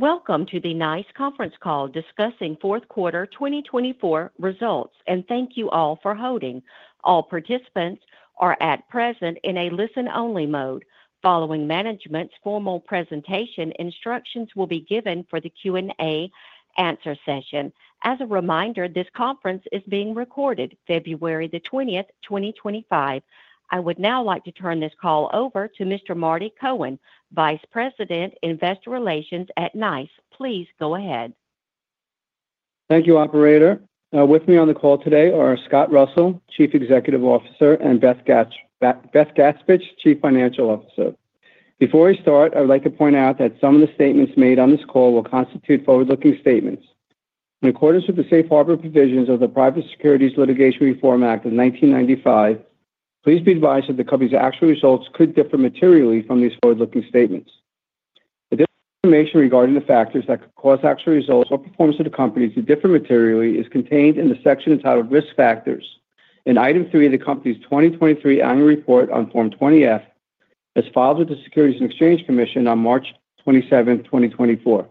Welcome to the NICE Conference Call discussing fourth quarter 2024 results, and thank you all for holding. All participants are at present in a listen-only mode. Following management's formal presentation, instructions will be given for the Q&A answer session. As a reminder, this conference is being recorded, February the 20th, 2025. I would now like to turn this call over to Mr. Marty Cohen, Vice President, Investor Relations at NICE. Please go ahead. Thank you, Operator. With me on the call today are Scott Russell, Chief Executive Officer, and Beth Gaspich, Chief Financial Officer. Before I start, I would like to point out that some of the statements made on this call will constitute forward-looking statements. In accordance with the Safe Harbor Provisions of the Private Securities Litigation Reform Act of 1995, please be advised that the company's actual results could differ materially from these forward-looking statements. Additional information regarding the factors that could cause actual results or performance of the company to differ materially is contained in the section entitled Risk Factors in item three of the company's 2023 annual report on Form 20-F, as filed with the Securities and Exchange Commission on March 27, 2024.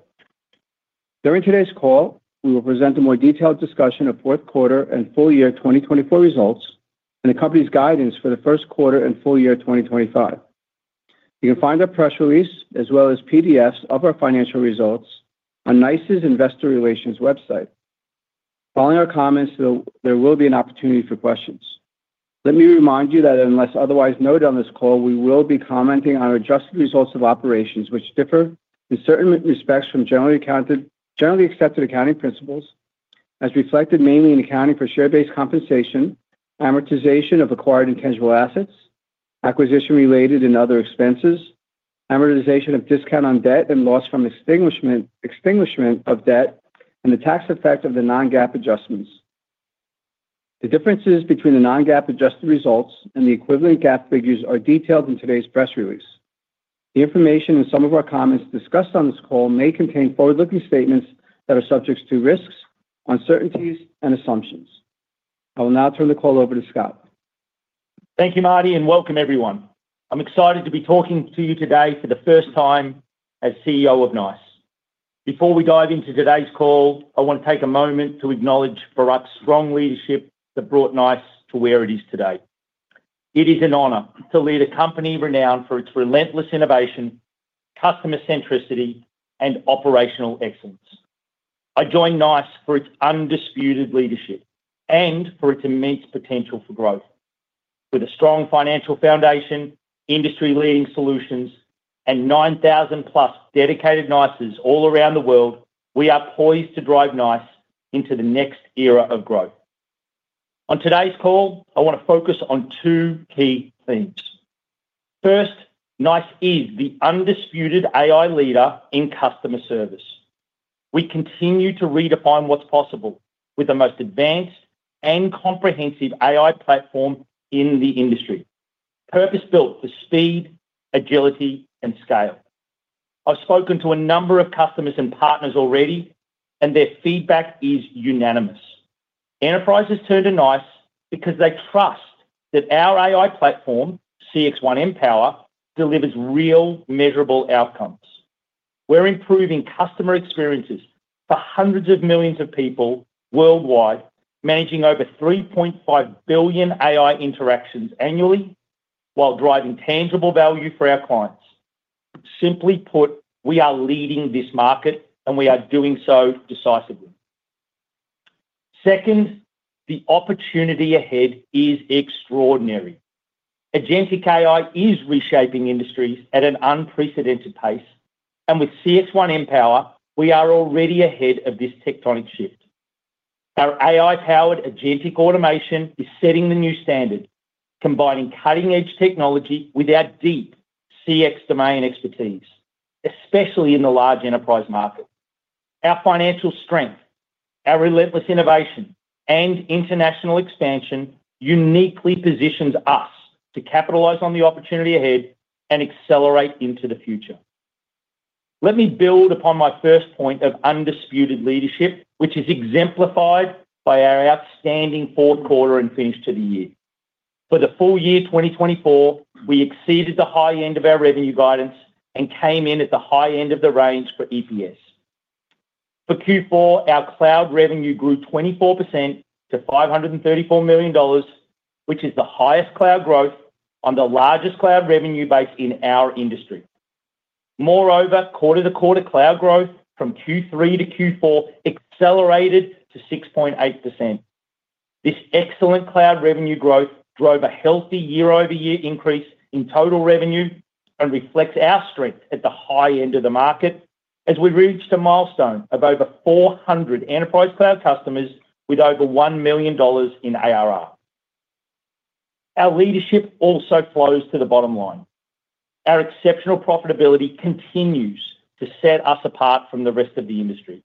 During today's call, we will present a more detailed discussion of fourth quarter and full year 2024 results and the company's guidance for the first quarter and full year 2025. You can find our press release, as well as PDFs of our financial results, on NICE's Investor Relations website. Following our comments, there will be an opportunity for questions. Let me remind you that unless otherwise noted on this call, we will be commenting on adjusted results of operations, which differ in certain respects from generally accepted accounting principles, as reflected mainly in accounting for share-based compensation, amortization of acquired intangible assets, acquisition-related and other expenses, amortization of discount on debt and loss from extinguishment of debt, and the tax effect of the non-GAAP adjustments. The differences between the non-GAAP adjusted results and the equivalent GAAP figures are detailed in today's press release. The information in some of our comments discussed on this call may contain forward-looking statements that are subject to risks, uncertainties, and assumptions. I will now turn the call over to Scott. Thank you, Marty, and welcome, everyone. I'm excited to be talking to you today for the first time as CEO of NICE. Before we dive into today's call, I want to take a moment to acknowledge Barak's strong leadership that brought NICE to where it is today. It is an honor to lead a company renowned for its relentless innovation, customer centricity, and operational excellence. I join NICE for its undisputed leadership and for its immense potential for growth. With a strong financial foundation, industry-leading solutions, and 9,000-plus dedicated NICErs all around the world, we are poised to drive NICE into the next era of growth. On today's call, I want to focus on two key themes. First, NICE is the undisputed AI leader in customer service. We continue to redefine what's possible with the most advanced and comprehensive AI platform in the industry, purpose-built for speed, agility, and scale. I've spoken to a number of customers and partners already, and their feedback is unanimous. Enterprises turn to NICE because they trust that our AI platform, CXone Mpower, delivers real measurable outcomes. We're improving customer experiences for hundreds of millions of people worldwide, managing over 3.5 billion AI interactions annually while driving tangible value for our clients. Simply put, we are leading this market, and we are doing so decisively. Second, the opportunity ahead is extraordinary. Agentic AI is reshaping industries at an unprecedented pace, and with CXone Mpower, we are already ahead of this tectonic shift. Our AI-powered agentic automation is setting the new standard, combining cutting-edge technology with our deep CX domain expertise, especially in the large enterprise market. Our financial strength, our relentless innovation, and international expansion uniquely positions us to capitalize on the opportunity ahead and accelerate into the future. Let me build upon my first point of undisputed leadership, which is exemplified by our outstanding fourth quarter and finish to the year. For the full year 2024, we exceeded the high end of our revenue guidance and came in at the high end of the range for EPS. For Q4, our cloud revenue grew 24% to $534 million, which is the highest cloud growth on the largest cloud revenue base in our industry. Moreover, quarter-to-quarter cloud growth from Q3 to Q4 accelerated to 6.8%. This excellent cloud revenue growth drove a healthy year-over-year increase in total revenue and reflects our strength at the high end of the market as we reached a milestone of over 400 enterprise cloud customers with over $1 million in ARR. Our leadership also flows to the bottom line. Our exceptional profitability continues to set us apart from the rest of the industry.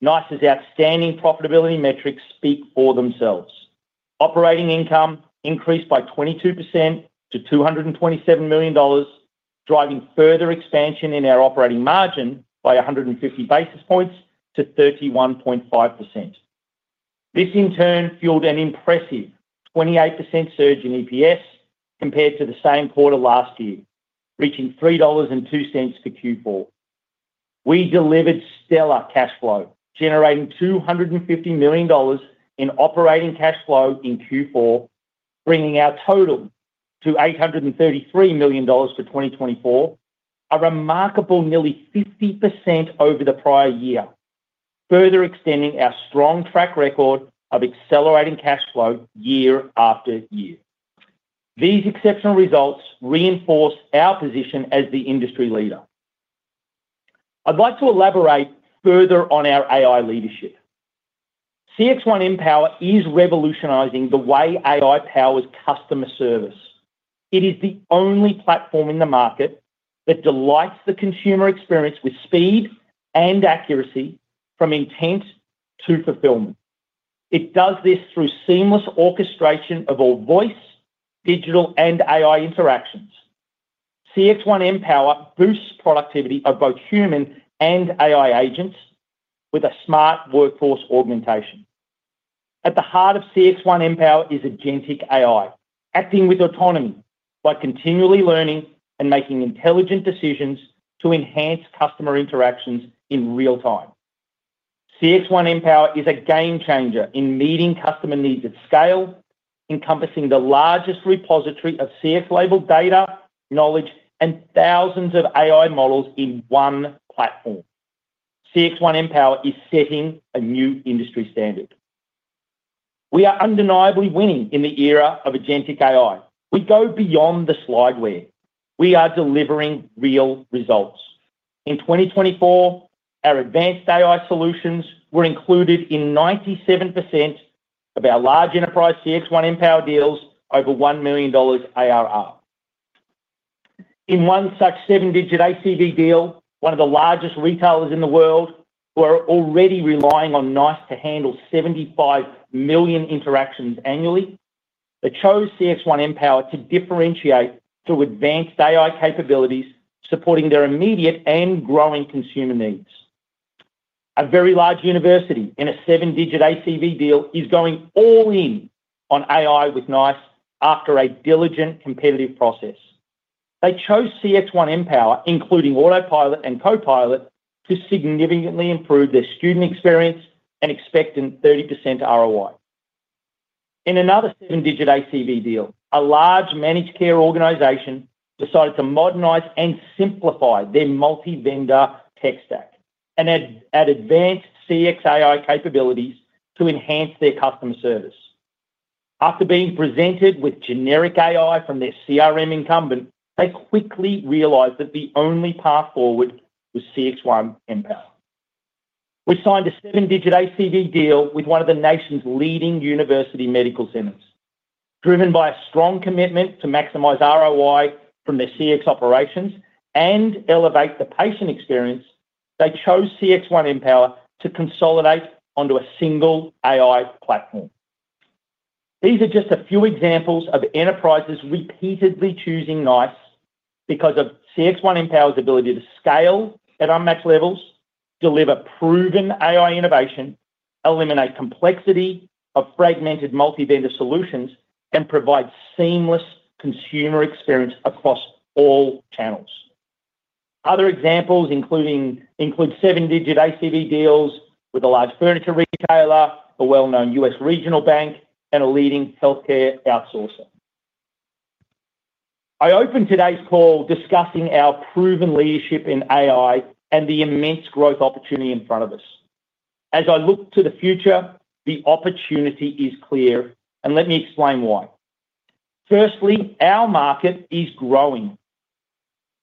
NICE's outstanding profitability metrics speak for themselves. Operating income increased by 22% to $227 million, driving further expansion in our operating margin by 150 basis points to 31.5%. This, in turn, fueled an impressive 28% surge in EPS compared to the same quarter last year, reaching $3.02 for Q4. We delivered stellar cash flow, generating $250 million in operating cash flow in Q4, bringing our total to $833 million for 2024, a remarkable nearly 50% over the prior year, further extending our strong track record of accelerating cash flow year after year. These exceptional results reinforce our position as the industry leader. I'd like to elaborate further on our AI leadership. CXone Mpower is revolutionizing the way AI powers customer service. It is the only platform in the market that delights the consumer experience with speed and accuracy from intent to fulfillment. It does this through seamless orchestration of all voice, digital, and AI interactions. CXone Mpower boosts productivity of both human and AI agents with a smart workforce augmentation. At the heart of CXone Mpower is Agentic AI, acting with autonomy while continually learning and making intelligent decisions to enhance customer interactions in real time. CXone Mpower is a game changer in meeting customer needs at scale, encompassing the largest repository of CX-labeled data, knowledge, and thousands of AI models in one platform. CXone Mpower is setting a new industry standard. We are undeniably winning in the era of Agentic AI. We go beyond the slideware. We are delivering real results. In 2024, our advanced AI solutions were included in 97% of our large enterprise CXone Mpower deals over $1 million ARR. In one such seven-digit ACV deal, one of the largest retailers in the world, who are already relying on NICE to handle 75 million interactions annually, they chose CXone Mpower to differentiate through advanced AI capabilities, supporting their immediate and growing consumer needs. A very large university in a seven-digit ACV deal is going all in on AI with NICE after a diligent competitive process. They chose CXone Mpower, including Autopilot and Copilot, to significantly improve their student experience and expect a 30% ROI. In another seven-digit ACV deal, a large managed care organization decided to modernize and simplify their multi-vendor tech stack and add advanced CX AI capabilities to enhance their customer service. After being presented with generic AI from their CRM incumbent, they quickly realized that the only path forward was CXone Mpower. We signed a seven-digit ACV deal with one of the nation's leading university medical centers. Driven by a strong commitment to maximize ROI from their CX operations and elevate the patient experience, they chose CXone Mpower to consolidate onto a single AI platform. These are just a few examples of enterprises repeatedly choosing NICE because of CXone Mpower's ability to scale at unmatched levels, deliver proven AI innovation, eliminate complexity of fragmented multi-vendor solutions, and provide seamless consumer experience across all channels. Other examples include seven-digit ACV deals with a large furniture retailer, a well-known U.S. regional bank, and a leading healthcare outsourcer. I open today's call discussing our proven leadership in AI and the immense growth opportunity in front of us. As I look to the future, the opportunity is clear, and let me explain why. Firstly, our market is growing.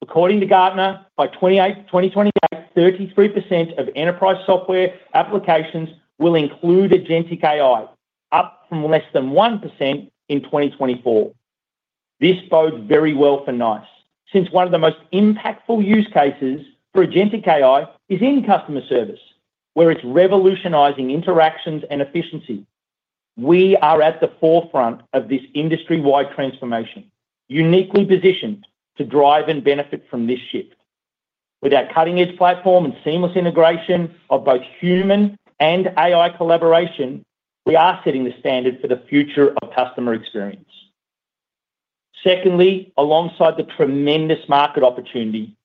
According to Gartner, by 2028, 33% of enterprise software applications will include Agentic AI, up from less than 1% in 2024. This bodes very well for NICE, since one of the most impactful use cases for Agentic AI is in customer service, where it's revolutionizing interactions and efficiency. We are at the forefront of this industry-wide transformation, uniquely positioned to drive and benefit from this shift. With our cutting-edge platform and seamless integration of both human and AI collaboration, we are setting the standard for the future of customer experience. Secondly, alongside the tremendous market opportunity,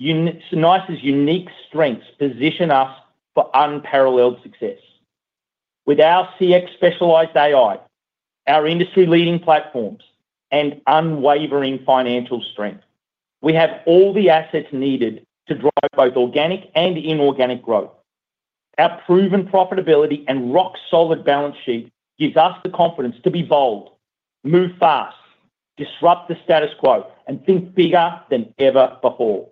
NICE's unique strengths position us for unparalleled success. With our CX-specialized AI, our industry-leading platforms, and unwavering financial strength, we have all the assets needed to drive both organic and inorganic growth. Our proven profitability and rock-solid balance sheet give us the confidence to be bold, move fast, disrupt the status quo, and think bigger than ever before.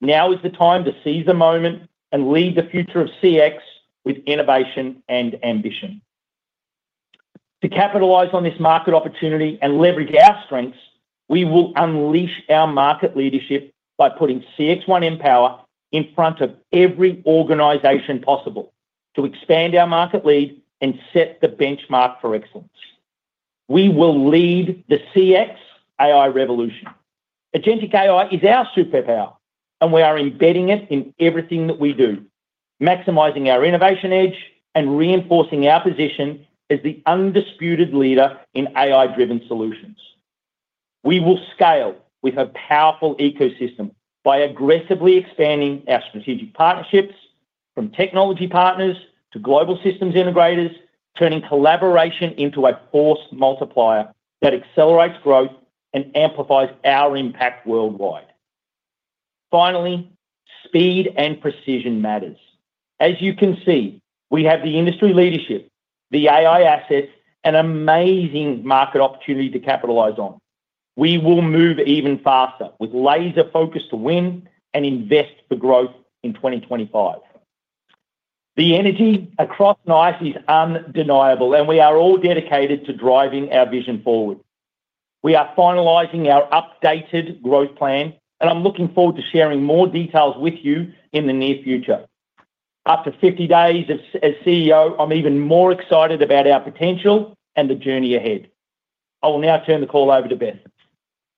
Now is the time to seize the moment and lead the future of CX with innovation and ambition. To capitalize on this market opportunity and leverage our strengths, we will unleash our market leadership by putting CXone Mpower in front of every organization possible to expand our market lead and set the benchmark for excellence. We will lead the CX AI revolution. Agentic AI is our superpower, and we are embedding it in everything that we do, maximizing our innovation edge and reinforcing our position as the undisputed leader in AI-driven solutions. We will scale with a powerful ecosystem by aggressively expanding our strategic partnerships from technology partners to global systems integrators, turning collaboration into a force multiplier that accelerates growth and amplifies our impact worldwide. Finally, speed and precision matters. As you can see, we have the industry leadership, the AI assets, and amazing market opportunity to capitalize on. We will move even faster with laser focus to win and invest for growth in 2025. The energy across NICE is undeniable, and we are all dedicated to driving our vision forward. We are finalizing our updated growth plan, and I'm looking forward to sharing more details with you in the near future. After 50 days as CEO, I'm even more excited about our potential and the journey ahead. I will now turn the call over to Beth.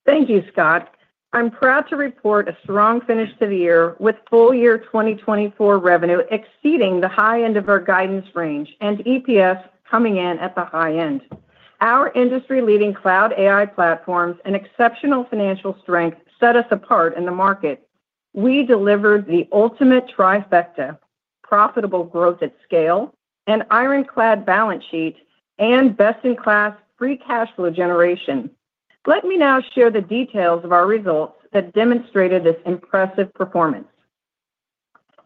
Thank you, Scott. I'm proud to report a strong finish to the year with full year 2024 revenue exceeding the high end of our guidance range and EPS coming in at the high end. Our industry-leading cloud AI platforms and exceptional financial strength set us apart in the market. We delivered the ultimate trifecta: profitable growth at scale, an ironclad balance sheet, and best-in-class free cash flow generation. Let me now share the details of our results that demonstrated this impressive performance.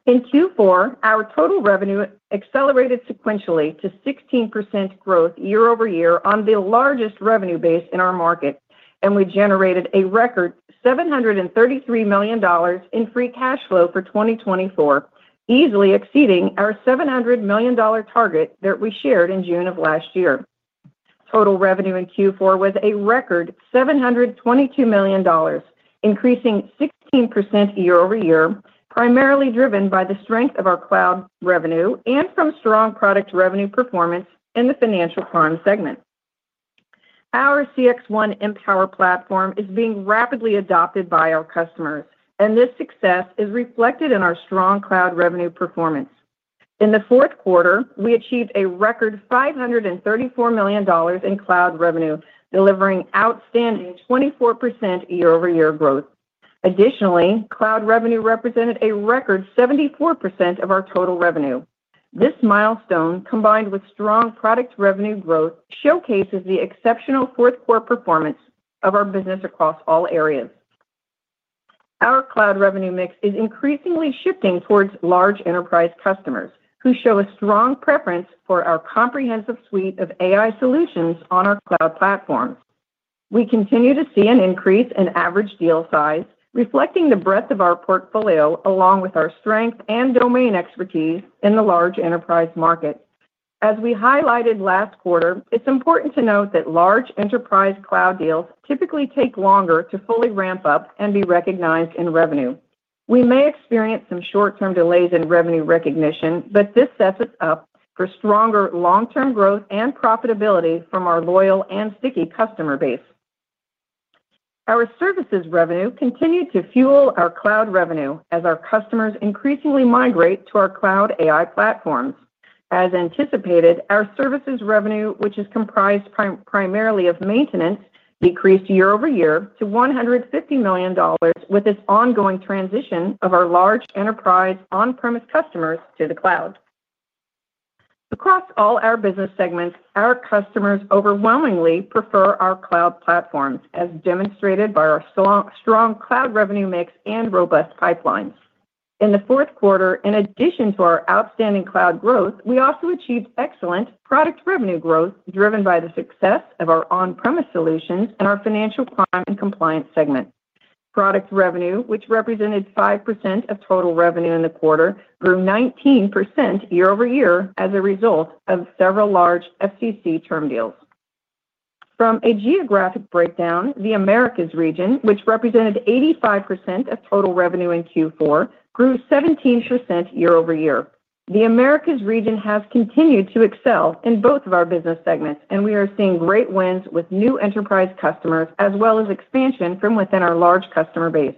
In Q4, our total revenue accelerated sequentially to 16% growth year-over-year on the largest revenue base in our market, and we generated a record $733 million in free cash flow for 2024, easily exceeding our $700 million target that we shared in June of last year. Total revenue in Q4 was a record $722 million, increasing 16% year-over-year, primarily driven by the strength of our cloud revenue and from strong product revenue performance in the Financial Crime segment. Our CXone Mpower platform is being rapidly adopted by our customers, and this success is reflected in our strong cloud revenue performance. In the fourth quarter, we achieved a record $534 million in cloud revenue, delivering outstanding 24% year-over-year growth. Additionally, cloud revenue represented a record 74% of our total revenue. This milestone, combined with strong product revenue growth, showcases the exceptional fourth quarter performance of our business across all areas. Our cloud revenue mix is increasingly shifting towards large enterprise customers who show a strong preference for our comprehensive suite of AI solutions on our cloud platform. We continue to see an increase in average deal size, reflecting the breadth of our portfolio along with our strength and domain expertise in the large enterprise market. As we highlighted last quarter, it's important to note that large enterprise cloud deals typically take longer to fully ramp up and be recognized in revenue. We may experience some short-term delays in revenue recognition, but this sets us up for stronger long-term growth and profitability from our loyal and sticky customer base. Our services revenue continued to fuel our cloud revenue as our customers increasingly migrate to our cloud AI platforms. As anticipated, our services revenue, which is comprised primarily of maintenance, decreased year-over-year to $150 million with this ongoing transition of our large enterprise on-premise customers to the cloud. Across all our business segments, our customers overwhelmingly prefer our cloud platforms, as demonstrated by our strong cloud revenue mix and robust pipelines. In the fourth quarter, in addition to our outstanding cloud growth, we also achieved excellent product revenue growth driven by the success of our on-premise solutions and our Financial Crime and Compliance segment. Product revenue, which represented 5% of total revenue in the quarter, grew 19% year-over-year as a result of several large FCC term deals. From a geographic breakdown, the Americas region, which represented 85% of total revenue in Q4, grew 17% year-over-year. The Americas region has continued to excel in both of our business segments, and we are seeing great wins with new enterprise customers as well as expansion from within our large customer base.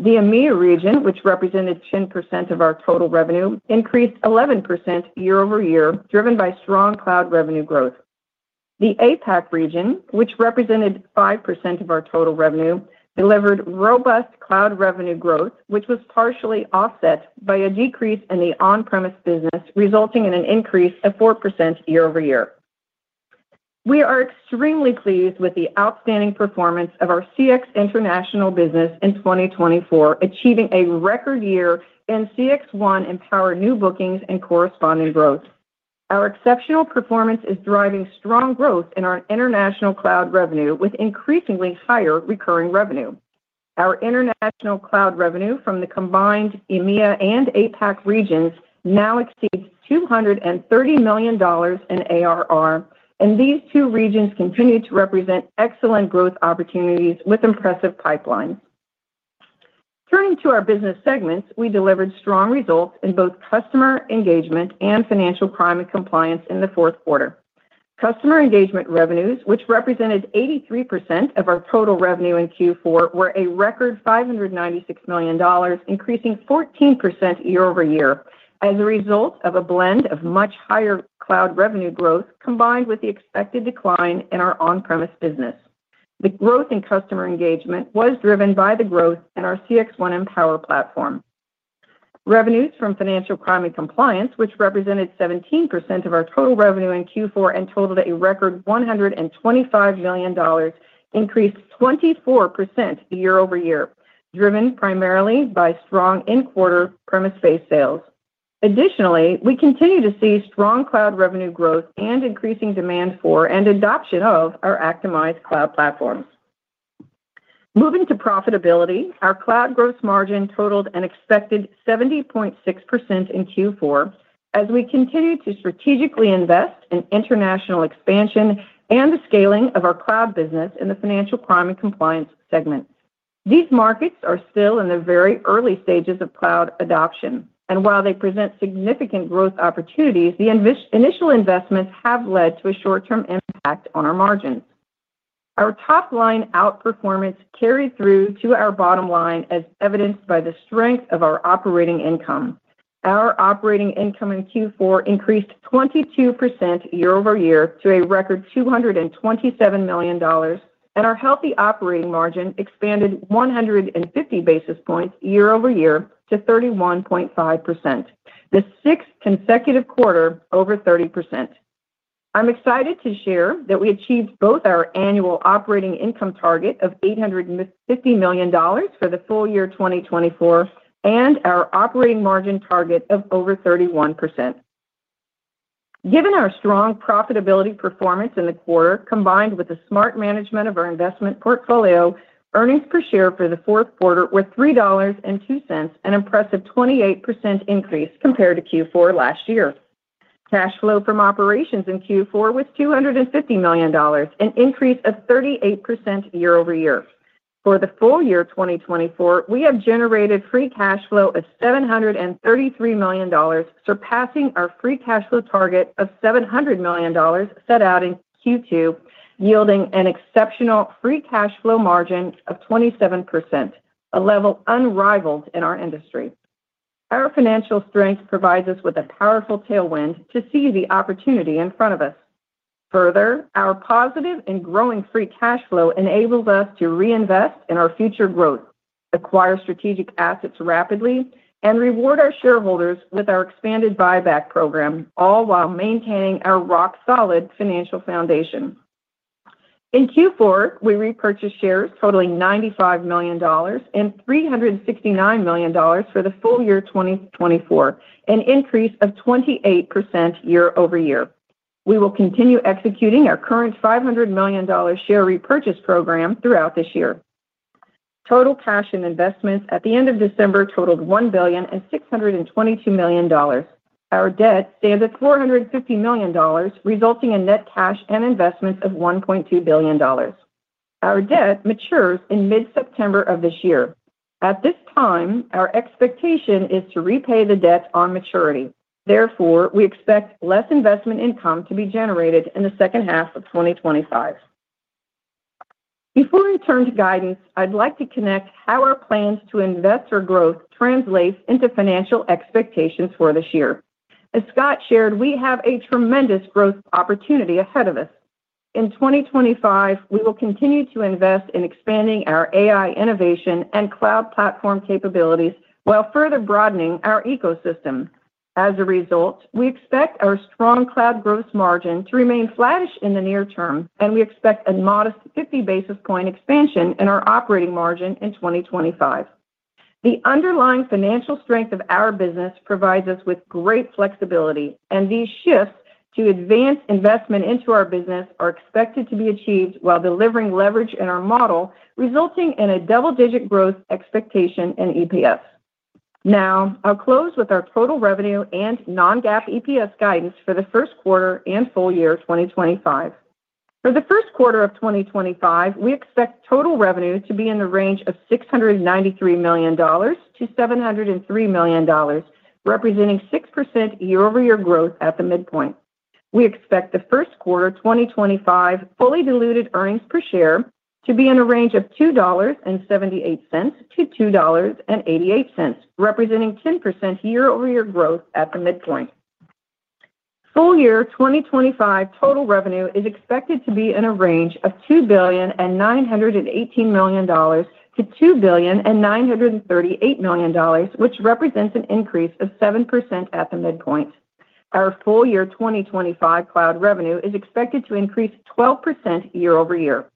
The EMEA region, which represented 10% of our total revenue, increased 11% year-over-year, driven by strong cloud revenue growth. The APAC region, which represented 5% of our total revenue, delivered robust cloud revenue growth, which was partially offset by a decrease in the on-premise business, resulting in an increase of 4% year-over-year. We are extremely pleased with the outstanding performance of our CX International business in 2024, achieving a record year in CXone Mpower new bookings and corresponding growth. Our exceptional performance is driving strong growth in our international cloud revenue, with increasingly higher recurring revenue. Our international cloud revenue from the combined EMEA and APAC regions now exceeds $230 million in ARR, and these two regions continue to represent excellent growth opportunities with impressive pipelines. Turning to our business segments, we delivered strong results in both Customer Engagement and financial crime and compliance in the fourth quarter. Customer Engagement revenues, which represented 83% of our total revenue in Q4, were a record $596 million, increasing 14% year-over-year as a result of a blend of much higher cloud revenue growth combined with the expected decline in our on-premise business. The growth in Customer Engagement was driven by the growth in our CXone Mpower platform. Revenues from financial crime and compliance, which represented 17% of our total revenue in Q4 and totaled a record $125 million, increased 24% year-over-year, driven primarily by strong in-quarter on-premise-based sales. Additionally, we continue to see strong cloud revenue growth and increasing demand for and adoption of our Actimize cloud platforms. Moving to profitability, our cloud gross margin totaled an expected 70.6% in Q4 as we continue to strategically invest in international expansion and the scaling of our cloud business in the financial crime and compliance segment. These markets are still in the very early stages of cloud adoption, and while they present significant growth opportunities, the initial investments have led to a short-term impact on our margins. Our top-line outperformance carried through to our bottom line, as evidenced by the strength of our operating income. Our operating income in Q4 increased 22% year-over-year to a record $227 million, and our healthy operating margin expanded 150 basis points year-over-year to 31.5%, the sixth consecutive quarter over 30%. I'm excited to share that we achieved both our annual operating income target of $850 million for the full year 2024 and our operating margin target of over 31%. Given our strong profitability performance in the quarter, combined with the smart management of our investment portfolio, earnings per share for the fourth quarter were $3.02, an impressive 28% increase compared to Q4 last year. Cash flow from operations in Q4 was $250 million, an increase of 38% year-over-year. For the full year 2024, we have generated free cash flow of $733 million, surpassing our free cash flow target of $700 million set out in Q2, yielding an exceptional free cash flow margin of 27%, a level unrivaled in our industry. Our financial strength provides us with a powerful tailwind to see the opportunity in front of us. Further, our positive and growing free cash flow enables us to reinvest in our future growth, acquire strategic assets rapidly, and reward our shareholders with our expanded buyback program, all while maintaining our rock-solid financial foundation. In Q4, we repurchased shares totaling $95 million and $369 million for the full year 2024, an increase of 28% year-over-year. We will continue executing our current $500 million share repurchase program throughout this year. Total cash and investments at the end of December totaled $1,622,000,000. Our debt stands at $450 million, resulting in net cash and investments of $1.2 billion. Our debt matures in mid-September of this year. At this time, our expectation is to repay the debt on maturity. Therefore, we expect less investment income to be generated in the second half of 2025. Before we turn to guidance, I'd like to connect how our plans to invest for growth translate into financial expectations for this year. As Scott shared, we have a tremendous growth opportunity ahead of us. In 2025, we will continue to invest in expanding our AI innovation and cloud platform capabilities while further broadening our ecosystem. As a result, we expect our strong cloud gross margin to remain flattish in the near term, and we expect a modest 50 basis point expansion in our operating margin in 2025. The underlying financial strength of our business provides us with great flexibility, and these shifts to advance investment into our business are expected to be achieved while delivering leverage in our model, resulting in a double-digit growth expectation in EPS. Now, I'll close with our total revenue and non-GAAP EPS guidance for the first quarter and full year 2025. For the first quarter of 2025, we expect total revenue to be in the range of $693 million-$703 million, representing 6% year-over-year growth at the midpoint. We expect the first quarter 2025 fully diluted earnings per share to be in a range of $2.78-$2.88, representing 10% year-over-year growth at the midpoint. Full year 2025 total revenue is expected to be in a range of $2,918,000,000-$2,938,000,000 which represents an increase of 7% at the midpoint. Our full year 2025 cloud revenue is expected to increase 12% year-over-year.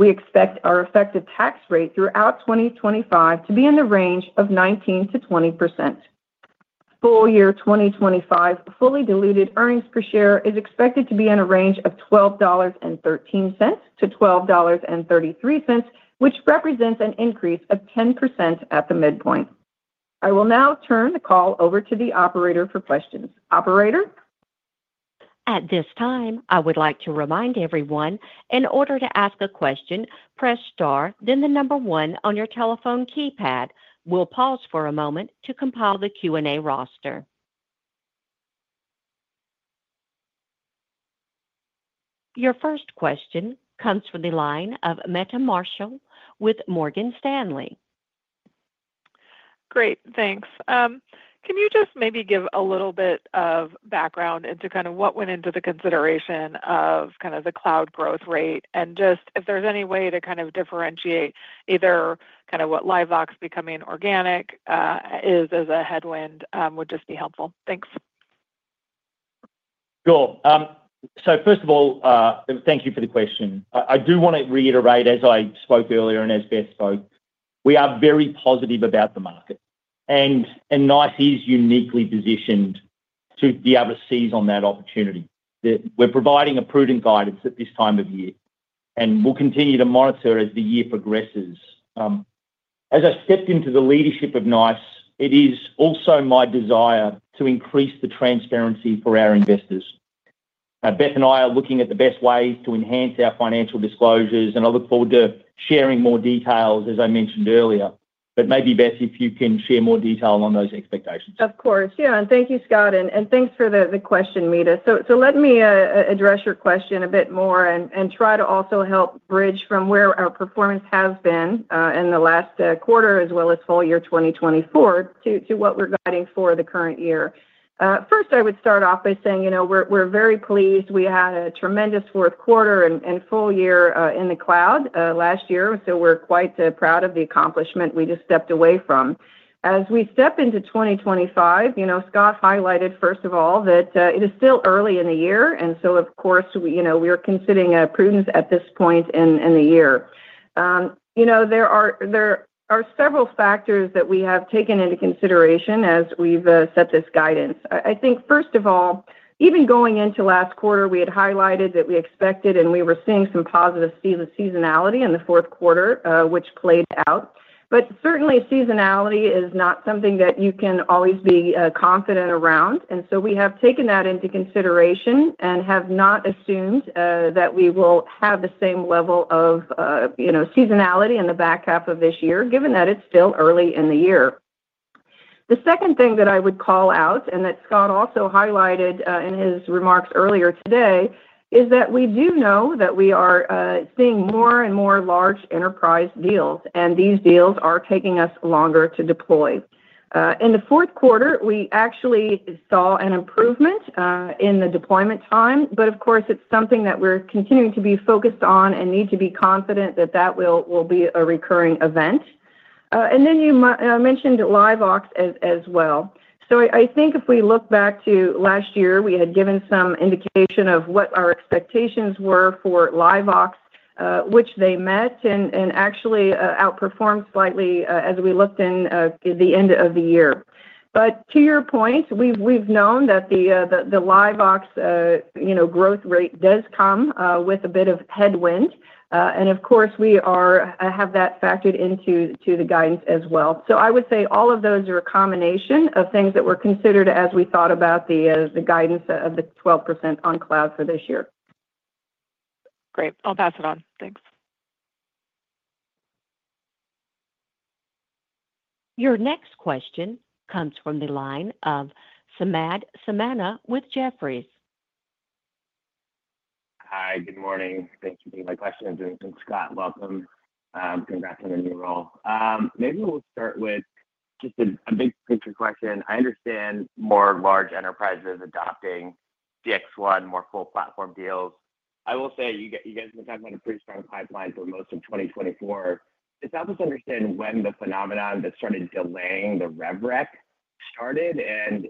We expect our effective tax rate throughout 2025 to be in the range of 19%-20%. Full year 2025 fully diluted earnings per share is expected to be in a range of $12.13-$12.33, which represents an increase of 10% at the midpoint. I will now turn the call over to the operator for questions. Operator. At this time, I would like to remind everyone, in order to ask a question, press star, then the number one on your telephone keypad. We'll pause for a moment to compile the Q&A roster. Your first question comes from the line of Meta Marshall with Morgan Stanley. Great. Thanks. Can you just maybe give a little bit of background into kind of what went into the consideration of kind of the cloud growth rate and just if there's any way to kind of differentiate either kind of what LiveVox becoming organic is as a headwind would just be helpful. Thanks. Sure. So first of all, thank you for the question. I do want to reiterate, as I spoke earlier and as Beth spoke, we are very positive about the market, and NICE is uniquely positioned to be able to seize on that opportunity. We're providing a prudent guidance at this time of year, and we'll continue to monitor as the year progresses. As I stepped into the leadership of NICE, it is also my desire to increase the transparency for our investors. Beth and I are looking at the best ways to enhance our financial disclosures, and I look forward to sharing more details, as I mentioned earlier, but maybe, Beth, if you can share more detail on those expectations. Of course. Yeah, and thank you, Scott, and thanks for the question, Meta. So let me address your question a bit more and try to also help bridge from where our performance has been in the last quarter, as well as full year 2024, to what we're guiding for the current year, so first, I would start off by saying we're very pleased. We had a tremendous fourth quarter and full year in the cloud last year, so we're quite proud of the accomplishment we just stepped away from. As we step into 2025, Scott highlighted, first of all, that it is still early in the year, and so, of course, we are considering prudence at this point in the year. There are several factors that we have taken into consideration as we've set this guidance. I think, first of all, even going into last quarter, we had highlighted that we expected and we were seeing some positive seasonality in the fourth quarter, which played out. But certainly, seasonality is not something that you can always be confident around, and so we have taken that into consideration and have not assumed that we will have the same level of seasonality in the back half of this year, given that it's still early in the year. The second thing that I would call out, and that Scott also highlighted in his remarks earlier today, is that we do know that we are seeing more and more large enterprise deals, and these deals are taking us longer to deploy. In the fourth quarter, we actually saw an improvement in the deployment time, but of course, it's something that we're continuing to be focused on and need to be confident that that will be a recurring event. And then you mentioned LiveVox as well. So I think if we look back to last year, we had given some indication of what our expectations were for LiveVox, which they met and actually outperformed slightly as we looked in the end of the year. But to your point, we've known that the LiveVox growth rate does come with a bit of headwind, and of course, we have that factored into the guidance as well. So I would say all of those are a combination of things that were considered as we thought about the guidance of the 12% on cloud for this year. Great. I'll pass it on. Thanks. Your next question comes from the line of Samad Samana with Jefferies. Hi. Good morning. Thank you for my question. It's Scott. Welcome. Congrats on the new role. Maybe we'll start with just a big picture question. I understand more large enterprises adopting CXone, more full platform deals. I will say you guys have been talking about a pretty strong pipeline for most of 2024. It's helpful to understand when the phenomenon that started delaying the ramp started, and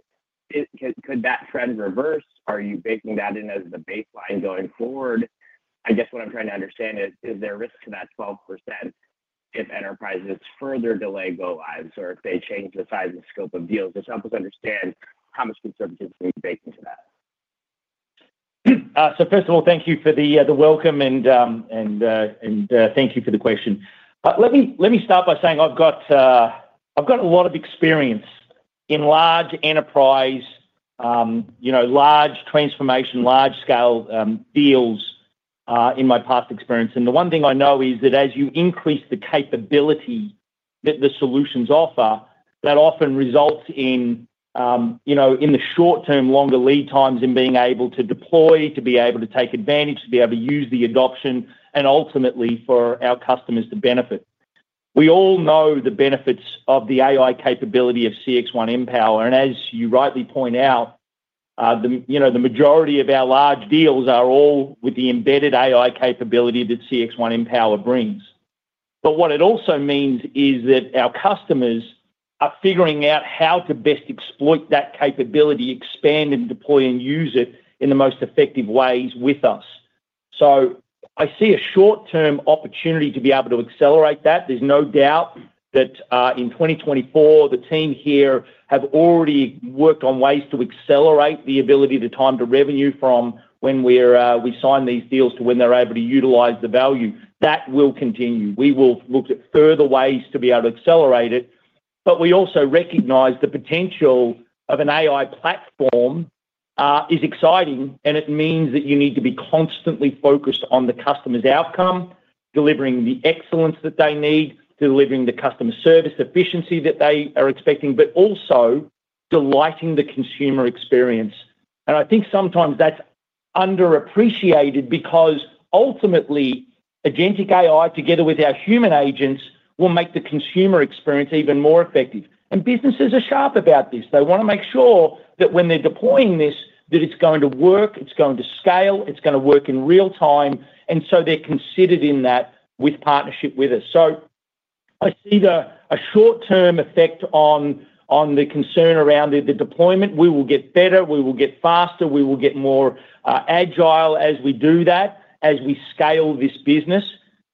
could that trend reverse? Are you baking that in as the baseline going forward? I guess what I'm trying to understand is, is there a risk to that 12% if enterprises further delay go-lives or if they change the size and scope of deals? Just help us understand how much conservatism you've baked into that. So first of all, thank you for the welcome, and thank you for the question. Let me start by saying I've got a lot of experience in large enterprise, large transformation, large-scale deals in my past experience. The one thing I know is that as you increase the capability that the solutions offer, that often results in the short-term, longer lead times in being able to deploy, to be able to take advantage, to be able to use the adoption, and ultimately for our customers to benefit. We all know the benefits of the AI capability of CXone Mpower, and as you rightly point out, the majority of our large deals are all with the embedded AI capability that CXone Mpower brings. But what it also means is that our customers are figuring out how to best exploit that capability, expand and deploy and use it in the most effective ways with us. So I see a short-term opportunity to be able to accelerate that. There's no doubt that in 2024, the team here have already worked on ways to accelerate the ability to time to revenue from when we sign these deals to when they're able to utilize the value. That will continue. We will look at further ways to be able to accelerate it, but we also recognize the potential of an AI platform is exciting, and it means that you need to be constantly focused on the customer's outcome, delivering the excellence that they need, delivering the customer service efficiency that they are expecting, but also delighting the consumer experience, and I think sometimes that's underappreciated because ultimately, Agentic AI together with our human agents will make the consumer experience even more effective, and businesses are sharp about this. They want to make sure that when they're deploying this, that it's going to work, it's going to scale, it's going to work in real time, and so they're considering that with partnership with us. So I see a short-term effect on the concern around the deployment. We will get better. We will get faster. We will get more agile as we do that, as we scale this business.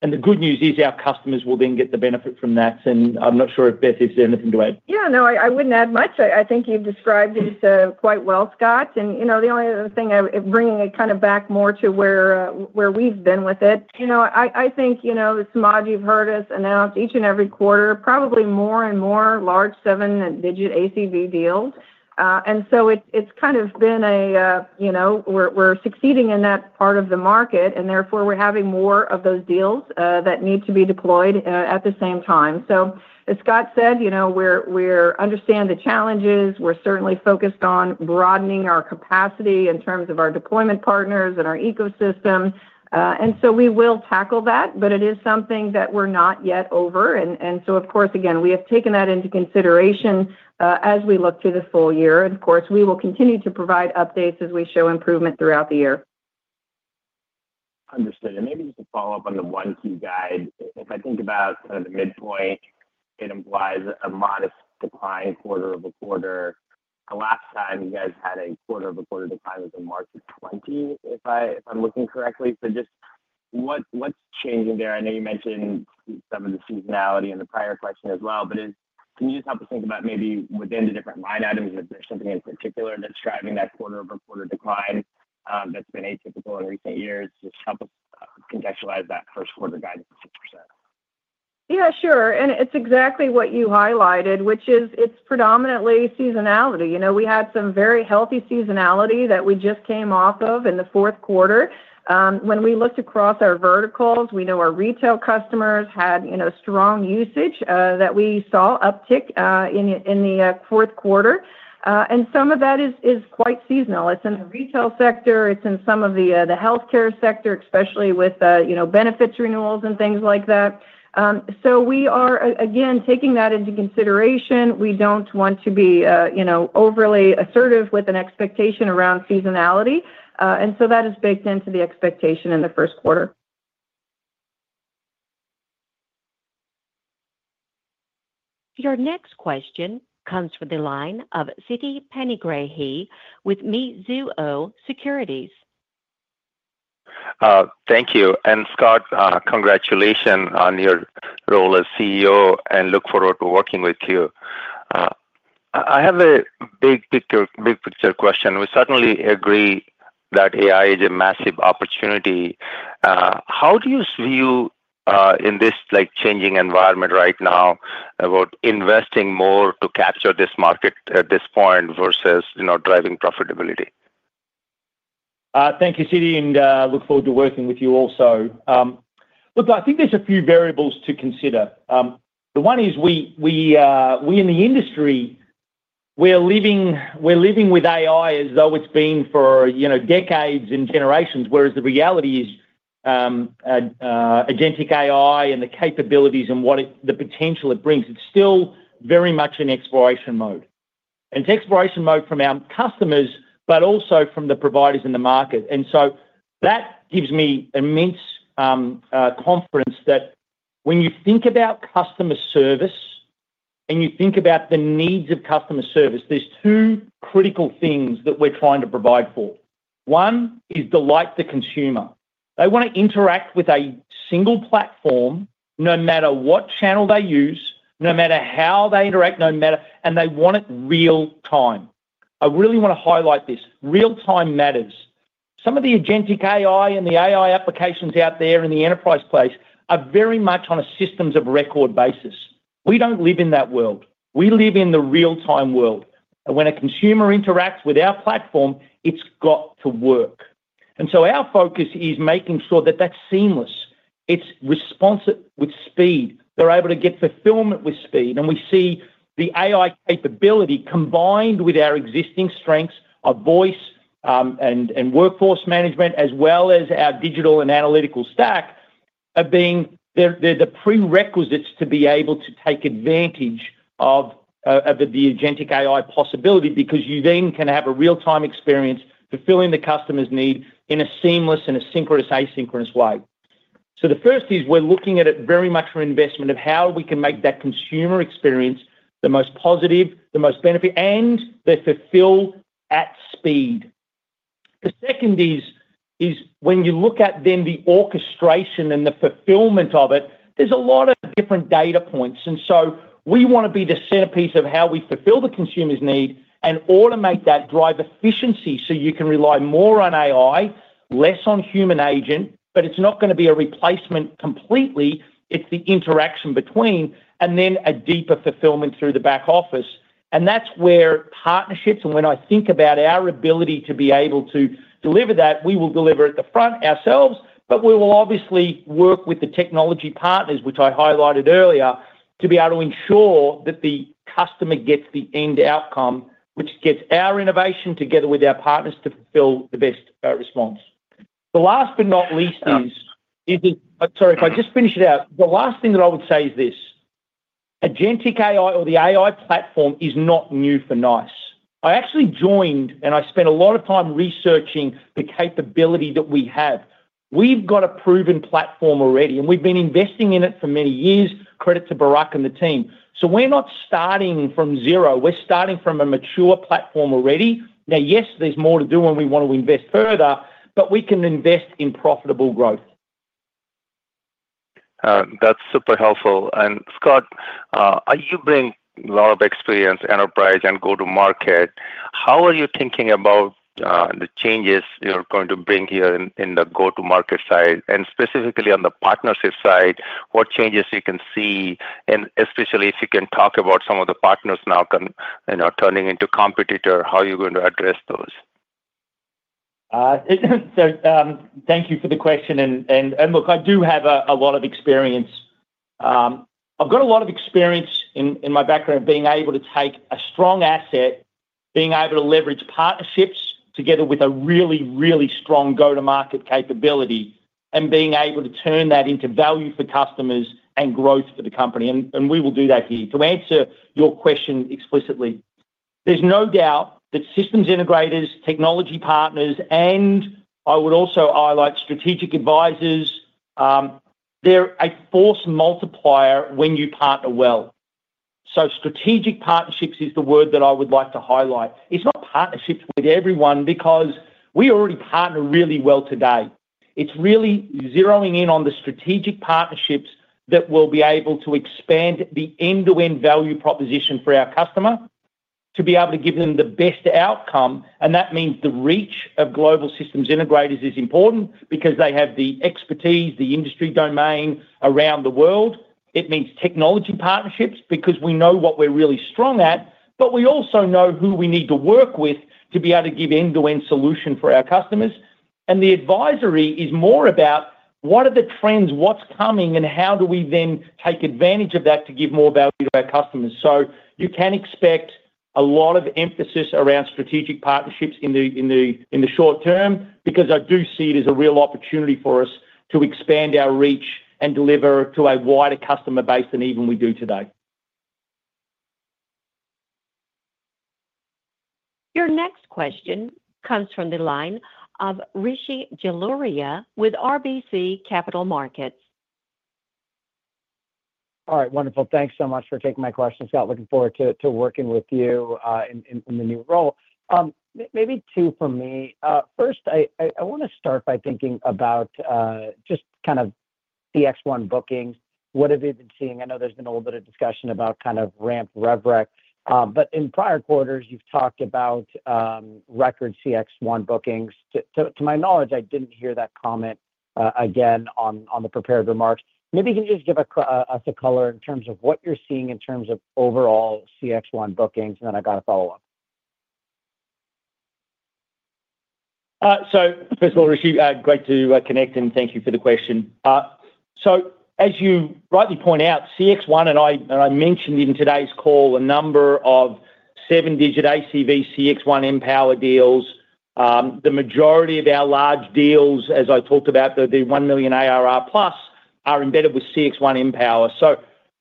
And the good news is our customers will then get the benefit from that. And I'm not sure if Beth has anything to add. Yeah. No, I wouldn't add much. I think you've described this quite well, Scott. And the only other thing, bringing it kind of back more to where we've been with it, I think Samad, you've heard us announce each and every quarter probably more and more large seven-digit ACV deals. It's kind of been, we're succeeding in that part of the market, and therefore we're having more of those deals that need to be deployed at the same time, so as Scott said, we understand the challenges. We're certainly focused on broadening our capacity in terms of our deployment partners and our ecosystem, and so we will tackle that, but it is something that we're not yet over. And so, of course, again, we have taken that into consideration as we look to the full year, and of course, we will continue to provide updates as we show improvement throughout the year. Understood, and maybe just to follow up on the 1Q guide, if I think about kind of the midpoint, it implies a modest decline quarter-over-quarter. Last time, you guys had a quarter-over-quarter decline was in March of 2020, if I'm looking correctly. So just what's changing there? I know you mentioned some of the seasonality in the prior question as well, but can you just help us think about maybe within the different line items if there's something in particular that's driving that quarter-over-quarter decline that's been atypical in recent years? Just help us contextualize that first quarter guidance of 6%. Yeah, sure. And it's exactly what you highlighted, which is it's predominantly seasonality. We had some very healthy seasonality that we just came off of in the fourth quarter. When we looked across our verticals, we know our retail customers had strong usage that we saw uptick in the fourth quarter. And some of that is quite seasonal. It's in the retail sector. It's in some of the healthcare sector, especially with benefits renewals and things like that. So we are, again, taking that into consideration. We don't want to be overly assertive with an expectation around seasonality, and so that is baked into the expectation in the first quarter. Your next question comes from the line of Siti Panigrahi with Mizuho Securities. Thank you, and Scott, congratulations on your role as CEO, and look forward to working with you. I have a big picture question. We certainly agree that AI is a massive opportunity. How do you view in this changing environment right now about investing more to capture this market at this point versus driving profitability? Thank you, Siti, and look forward to working with you also. Look, I think there's a few variables to consider. The one is we in the industry, we're living with AI as though it's been for decades and generations, whereas the reality is Agentic AI and the capabilities and the potential it brings, it's still very much in exploration mode. It's exploration mode from our customers, but also from the providers in the market. That gives me immense confidence that when you think about customer service and you think about the needs of customer service, there's two critical things that we're trying to provide for. One is delight the consumer. They want to interact with a single platform, no matter what channel they use, no matter how they interact, and they want it real-time. I really want to highlight this. Real-time matters. Some of the Agentic AI and the AI applications out there in the enterprise place are very much on a systems of record basis. We don't live in that world. We live in the real-time world. And when a consumer interacts with our platform, it's got to work. And so our focus is making sure that that's seamless. It's responsive with speed. They're able to get fulfillment with speed. And we see the AI capability combined with our existing strengths of voice and workforce management, as well as our digital and analytical stack, are being the prerequisites to be able to take advantage of the Agentic AI possibility because you then can have a real-time experience fulfilling the customer's need in a seamless and synchronous, asynchronous way. So the first is we're looking at it very much for investment of how we can make that consumer experience the most positive, the most benefit, and they fulfill at speed. The second is when you look at then the orchestration and the fulfillment of it. There's a lot of different data points, and so we want to be the centerpiece of how we fulfill the consumer's need and automate that, drive efficiency so you can rely more on AI, less on human agent, but it's not going to be a replacement completely. It's the interaction between and then a deeper fulfillment through the back office, and that's where partnerships, and when I think about our ability to be able to deliver that, we will deliver at the front ourselves, but we will obviously work with the technology partners, which I highlighted earlier, to be able to ensure that the customer gets the end outcome, which gets our innovation together with our partners to fulfill the best response. The last but not least is, sorry, if I just finish it out, the last thing that I would say is this: Agentic AI or the AI platform is not new for NICE. I actually joined, and I spent a lot of time researching the capability that we have. We've got a proven platform already, and we've been investing in it for many years, credit to Barak and the team. So we're not starting from zero. We're starting from a mature platform already. Now, yes, there's more to do when we want to invest further, but we can invest in profitable growth. That's super helpful. And Scott, you bring a lot of experience, enterprise and go-to-market. How are you thinking about the changes you're going to bring here in the go-to-market side and specifically on the partnership side? What changes you can see, and especially if you can talk about some of the partners now turning into competitor, how are you going to address those? Thank you for the question. And look, I do have a lot of experience. I've got a lot of experience in my background of being able to take a strong asset, being able to leverage partnerships together with a really, really strong go-to-market capability, and being able to turn that into value for customers and growth for the company. And we will do that here. To answer your question explicitly, there's no doubt that systems integrators, technology partners, and I would also highlight strategic advisors, they're a force multiplier when you partner well. So strategic partnerships is the word that I would like to highlight. It's not partnerships with everyone because we already partner really well today. It's really zeroing in on the strategic partnerships that will be able to expand the end-to-end value proposition for our customer to be able to give them the best outcome, and that means the reach of global systems integrators is important because they have the expertise, the industry domain around the world. It means technology partnerships because we know what we're really strong at, but we also know who we need to work with to be able to give end-to-end solutions for our customers, and the advisory is more about what are the trends, what's coming, and how do we then take advantage of that to give more value to our customers. So you can expect a lot of emphasis around strategic partnerships in the short term because I do see it as a real opportunity for us to expand our reach and deliver to a wider customer base than even we do today. Your next question comes from the line of Rishi Jaluria with RBC Capital Markets. All right. Wonderful. Thanks so much for taking my question, Scott. Looking forward to working with you in the new role. Maybe two for me. First, I want to start by thinking about just kind of CXone bookings. What have you been seeing? I know there's been a little bit of discussion about kind of ramped rhetoric. But in prior quarters, you've talked about record CXone bookings. To my knowledge, I didn't hear that comment again on the prepared remarks. Maybe you can just give us a color in terms of what you're seeing in terms of overall CXone bookings, and then I've got to follow up. First of all, Rishi, great to connect, and thank you for the question. As you rightly point out, CXone, and I mentioned in today's call a number of seven-digit ACV CXone Mpower deals. The majority of our large deals, as I talked about, the $1 million ARR plus, are embedded with CXone Mpower.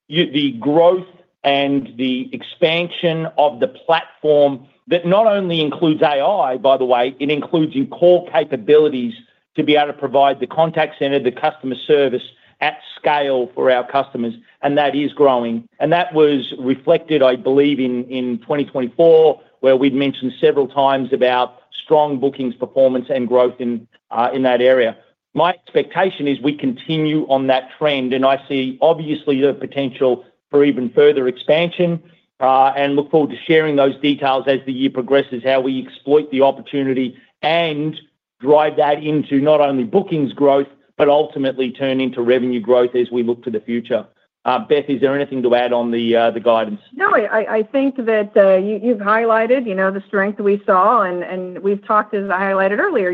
The growth and the expansion of the platform that not only includes AI, by the way, it includes your core capabilities to be able to provide the contact center, the customer service at scale for our customers. That is growing. That was reflected, I believe, in 2024, where we'd mentioned several times about strong bookings performance and growth in that area. My expectation is we continue on that trend, and I see obviously the potential for even further expansion and look forward to sharing those details as the year progresses, how we exploit the opportunity and drive that into not only bookings growth, but ultimately turn into revenue growth as we look to the future. Beth, is there anything to add on the guidance? No, I think that you've highlighted the strength we saw. And we've talked, as I highlighted earlier,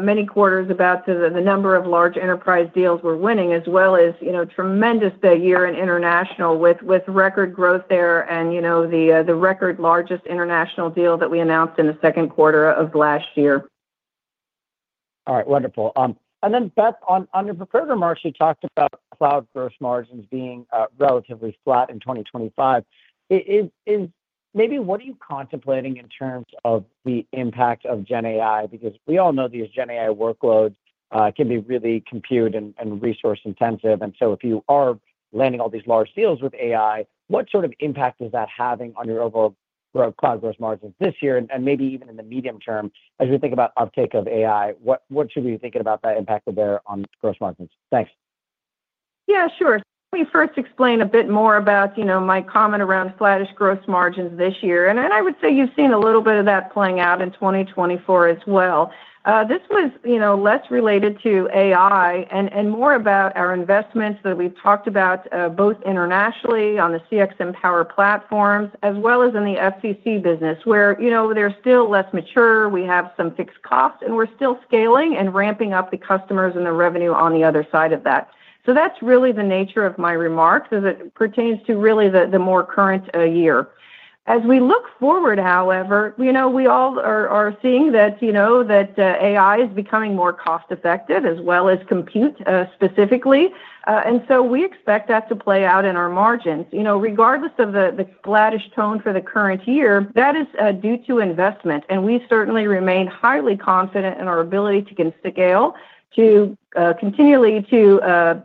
many quarters about the number of large enterprise deals we're winning, as well as tremendous year in international with record growth there and the record largest international deal that we announced in the second quarter of last year. All right. Wonderful. And then, Beth, on your prepared remarks, you talked about cloud gross margins being relatively flat in 2025. Maybe what are you contemplating in terms of the impact of GenAI? Because we all know these GenAI workloads can be really compute and resource-intensive. And so if you are landing all these large deals with AI, what sort of impact is that having on your overall cloud gross margins this year and maybe even in the medium term as we think about uptake of AI? What should we be thinking about that impact there on gross margins? Thanks. Yeah, sure. Let me first explain a bit more about my comment around flatish gross margins this year. And I would say you've seen a little bit of that playing out in 2024 as well. This was less related to AI and more about our investments that we've talked about both internationally on the CXone Mpower platforms as well as in the FCC business, where they're still less mature. We have some fixed costs, and we're still scaling and ramping up the customers and the revenue on the other side of that. So that's really the nature of my remarks as it pertains to really the more current year. As we look forward, however, we all are seeing that AI is becoming more cost-effective as well as compute specifically. And so we expect that to play out in our margins. Regardless of the sluggish tone for the current year, that is due to investment. And we certainly remain highly confident in our ability to continually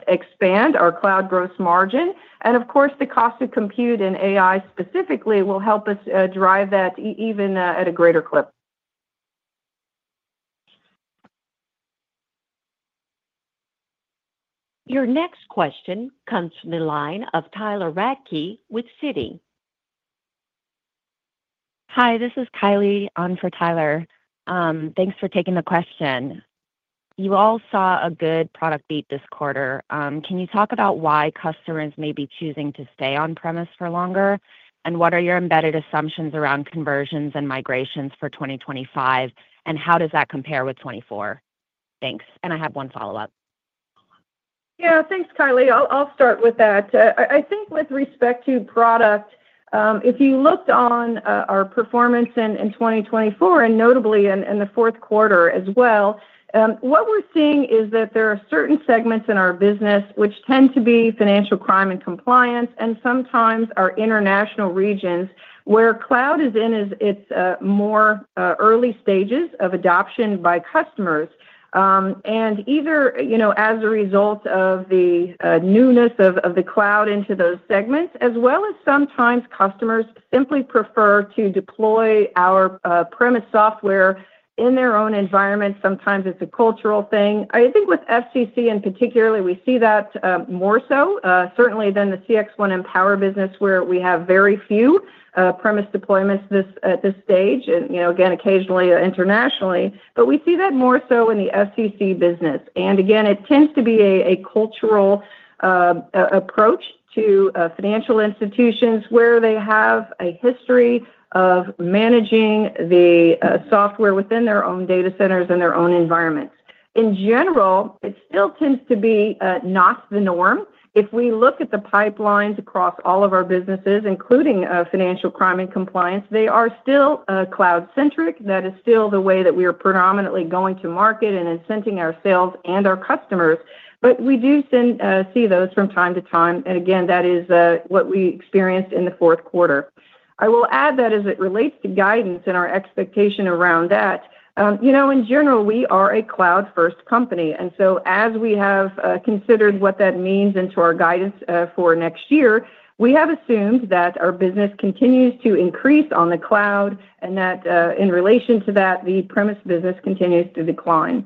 expand our cloud gross margin. And of course, the cost of compute and AI specifically will help us drive that even at a greater clip. Your next question comes from the line of Tyler Radke with Citi. Hi, this is Kylie on for Tyler. Thanks for taking the question. You all saw a good product beat this quarter. Can you talk about why customers may be choosing to stay on-premises for longer, and what are your embedded assumptions around conversions and migrations for 2025, and how does that compare with '24? Thanks. And I have one follow-up. Yeah, thanks, Kylie. I'll start with that. I think with respect to product, if you looked on our performance in 2024, and notably in the fourth quarter as well, what we're seeing is that there are certain segments in our business which tend to be financial crime and compliance, and sometimes our international regions where cloud is in its more early stages of adoption by customers. And either as a result of the newness of the cloud into those segments, as well as sometimes customers simply prefer to deploy our on-premises software in their own environment. Sometimes it's a cultural thing. I think with FCC in particular, we see that more so, certainly than the CXone Mpower business, where we have very few on-premise deployments at this stage, and again, occasionally internationally. But we see that more so in the FCC business. And again, it tends to be a cultural approach to financial institutions where they have a history of managing the software within their own data centers and their own environments. In general, it still tends to be not the norm. If we look at the pipelines across all of our businesses, including financial crime and compliance, they are still cloud-centric. That is still the way that we are predominantly going to market and incenting ourselves and our customers. But we do see those from time to time. And again, that is what we experienced in the fourth quarter. I will add that as it relates to guidance and our expectation around that. In general, we are a cloud-first company. And so as we have considered what that means into our guidance for next year, we have assumed that our business continues to increase on the cloud and that in relation to that, the on-premise business continues to decline.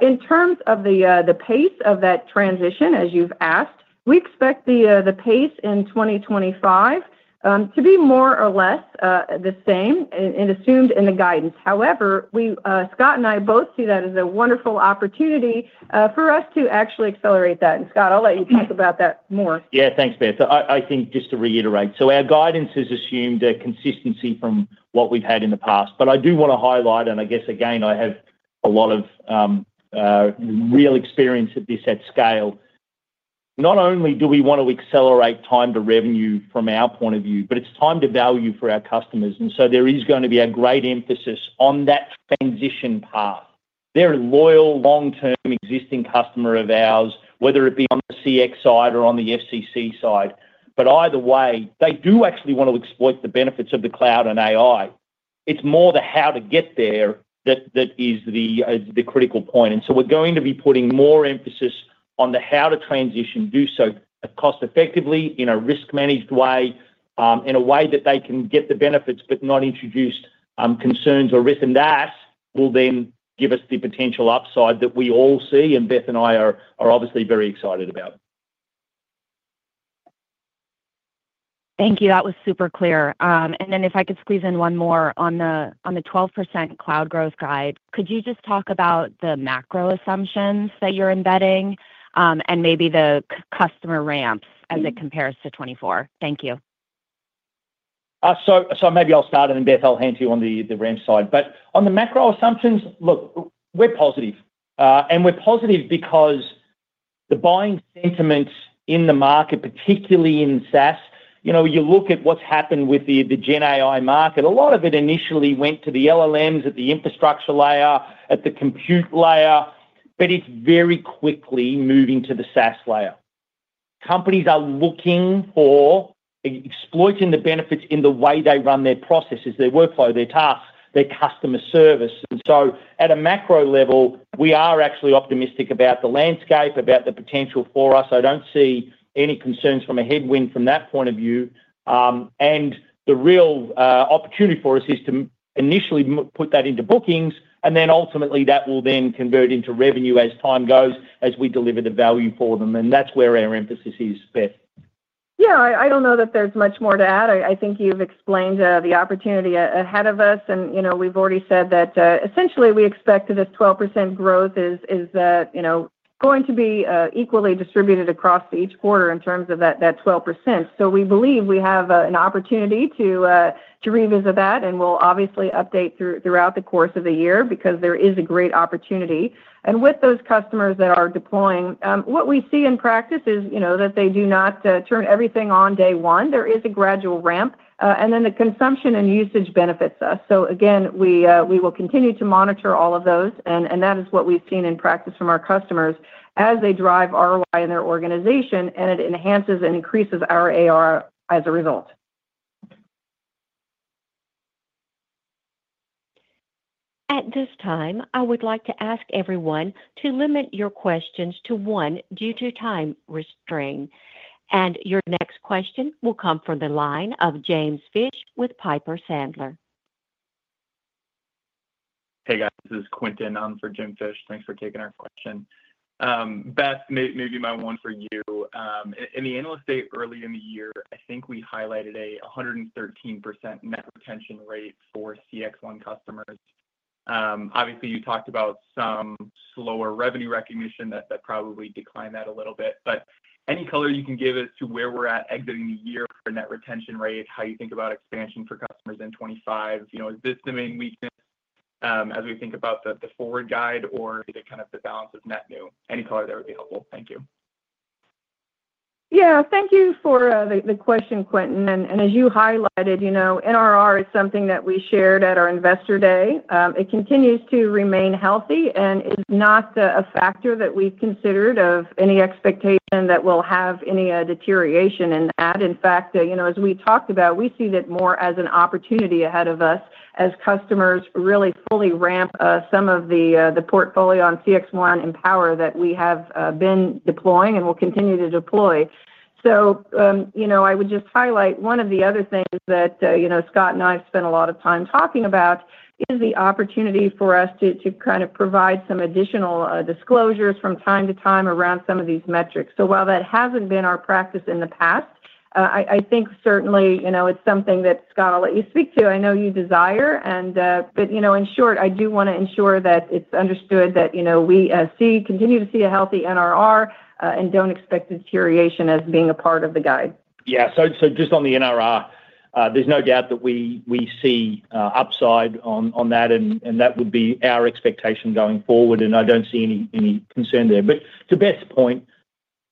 In terms of the pace of that transition, as you've asked, we expect the pace in 2025 to be more or less the same and assumed in the guidance. However, Scott and I both see that as a wonderful opportunity for us to actually accelerate that. And Scott, I'll let you talk about that more. Yeah, thanks, Beth. I think just to reiterate, so our guidance has assumed consistency from what we've had in the past. But I do want to highlight, and I guess, again, I have a lot of real experience at this at scale. Not only do we want to accelerate time to revenue from our point of view, but it's time to value for our customers. And so there is going to be a great emphasis on that transition path. They're a loyal, long-term existing customer of ours, whether it be on the CX side or on the FCC side. But either way, they do actually want to exploit the benefits of the cloud and AI. It's more the how to get there that is the critical point. And so we're going to be putting more emphasis on the how to transition, do so cost-effectively in a risk-managed way, in a way that they can get the benefits but not introduce concerns or risk. That will then give us the potential upside that we all see, and Beth and I are obviously very excited about. Thank you. That was super clear. Then if I could squeeze in one more on the 12% cloud growth guide, could you just talk about the macro assumptions that you're embedding and maybe the customer ramps as it compares to 2024? Thank you. So maybe I'll start, and then Beth, I'll hand to you on the ramp side. But on the macro assumptions, look, we're positive. We're positive because the buying sentiment in the market, particularly in SaaS, you look at what's happened with the GenAI market. A lot of it initially went to the LLMs at the infrastructure layer, at the compute layer, but it's very quickly moving to the SaaS layer. Companies are looking for exploiting the benefits in the way they run their processes, their workflow, their tasks, their customer service. And so at a macro level, we are actually optimistic about the landscape, about the potential for us. I don't see any concerns from a headwind from that point of view. And the real opportunity for us is to initially put that into bookings, and then ultimately that will then convert into revenue as time goes as we deliver the value for them. And that's where our emphasis is, Beth. Yeah, I don't know that there's much more to add. I think you've explained the opportunity ahead of us. And we've already said that essentially we expect that this 12% growth is going to be equally distributed across each quarter in terms of that 12%. So we believe we have an opportunity to revisit that, and we'll obviously update throughout the course of the year because there is a great opportunity. And with those customers that are deploying, what we see in practice is that they do not turn everything on day one. There is a gradual ramp, and then the consumption and usage benefits us. So again, we will continue to monitor all of those, and that is what we've seen in practice from our customers as they drive ROI in their organization, and it enhances and increases our ARR as a result. At this time, I would like to ask everyone to limit your questions to one due to time constraints. And your next question will come from the line of James Fish with Piper Sandler. Hey, guys. This is Quinton for James Fish. Thanks for taking our question. Beth, maybe my one for you. In the Analyst Day early in the year, I think we highlighted a 113% net retention rate for CXone customers. Obviously, you talked about some slower revenue recognition that probably declined that a little bit. But any color you can give us to where we're at exiting the year for net retention rate, how you think about expansion for customers in 2025, is this the main weakness as we think about the forward guide, or is it kind of the balance of net new? Any color that would be helpful. Thank you. Yeah, thank you for the question, Quinton. And as you highlighted, NRR is something that we shared at our Investor Day. It continues to remain healthy and is not a factor that we've considered of any expectation that we'll have any deterioration in that. In fact, as we talked about, we see that more as an opportunity ahead of us as customers really fully ramp some of the portfolio on CXone Mpower that we have been deploying and will continue to deploy. So I would just highlight one of the other things that Scott and I have spent a lot of time talking about is the opportunity for us to kind of provide some additional disclosures from time to time around some of these metrics. So while that hasn't been our practice in the past, I think certainly it's something that Scott, I'll let you speak to. I know you desire. But in short, I do want to ensure that it's understood that we continue to see a healthy NRR and don't expect deterioration as being a part of the guide. Yeah. So just on the NRR, there's no doubt that we see upside on that, and that would be our expectation going forward. And I don't see any concern there. But to Beth's point,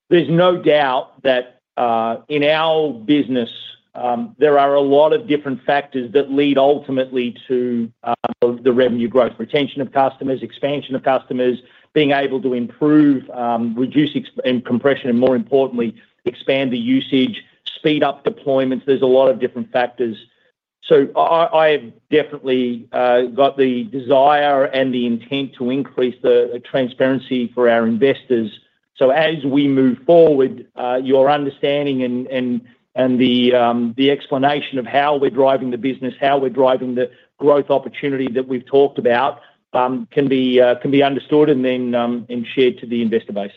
there's no doubt that in our business, there are a lot of different factors that lead ultimately to the revenue growth, retention of customers, expansion of customers, being able to improve, reduce compression, and more importantly, expand the usage, speed up deployments. There's a lot of different factors. So I have definitely got the desire and the intent to increase the transparency for our investors. So as we move forward, your understanding and the explanation of how we're driving the business, how we're driving the growth opportunity that we've talked about can be understood and then shared to the investor base.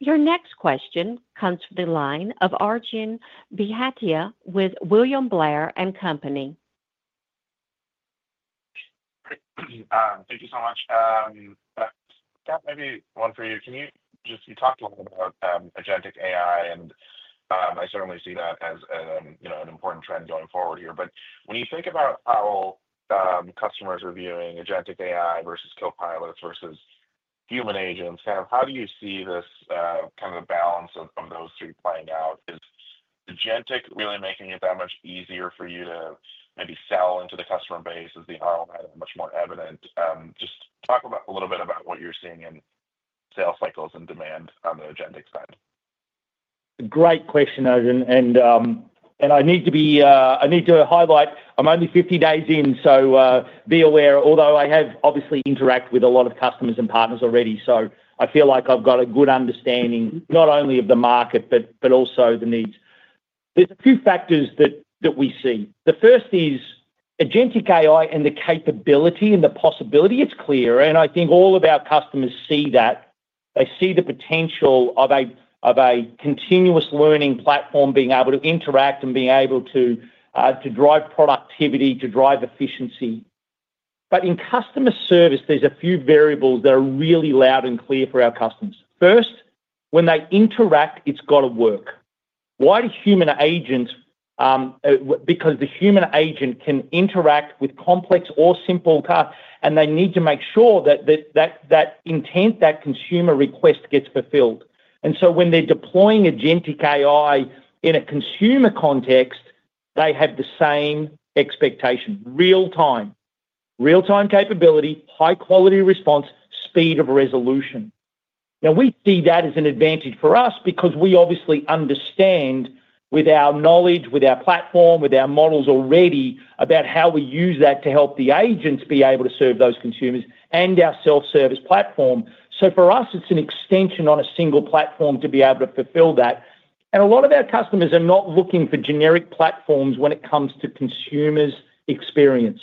Your next question comes from the line of Arjun Bhatia with William Blair and Company. Thank you so much. Scott, maybe one for you. You talked a little bit about Agentic AI, and I certainly see that as an important trend going forward here. But when you think about how customers are viewing Agentic AI versus Copilot versus human agents, kind of how do you see this kind of balance of those three playing out? Is Agentic really making it that much easier for you to maybe sell into the customer base as the ROI is much more evident? Just talk a little bit about what you're seeing in sales cycles and demand on the Agentic side. Great question, Arjun. And I need to highlight I'm only 50 days in, so be aware. Although I have obviously interacted with a lot of customers and partners already, so I feel like I've got a good understanding not only of the market, but also the needs. There's a few factors that we see. The first is Agentic AI and the capability and the possibility. It's clear. And I think all of our customers see that. They see the potential of a continuous learning platform, being able to interact and being able to drive productivity, to drive efficiency. But in customer service, there's a few variables that are really loud and clear for our customers. First, when they interact, it's got to work. Why do human agents? Because the human agent can interact with complex or simple tasks, and they need to make sure that that intent, that consumer request gets fulfilled. And so when they're deploying Agentic AI in a consumer context, they have the same expectation: real-time, real-time capability, high-quality response, speed of resolution. Now, we see that as an advantage for us because we obviously understand with our knowledge, with our platform, with our models already about how we use that to help the agents be able to serve those consumers and our self-service platform. So for us, it's an extension on a single platform to be able to fulfill that. And a lot of our customers are not looking for generic platforms when it comes to consumers' experience.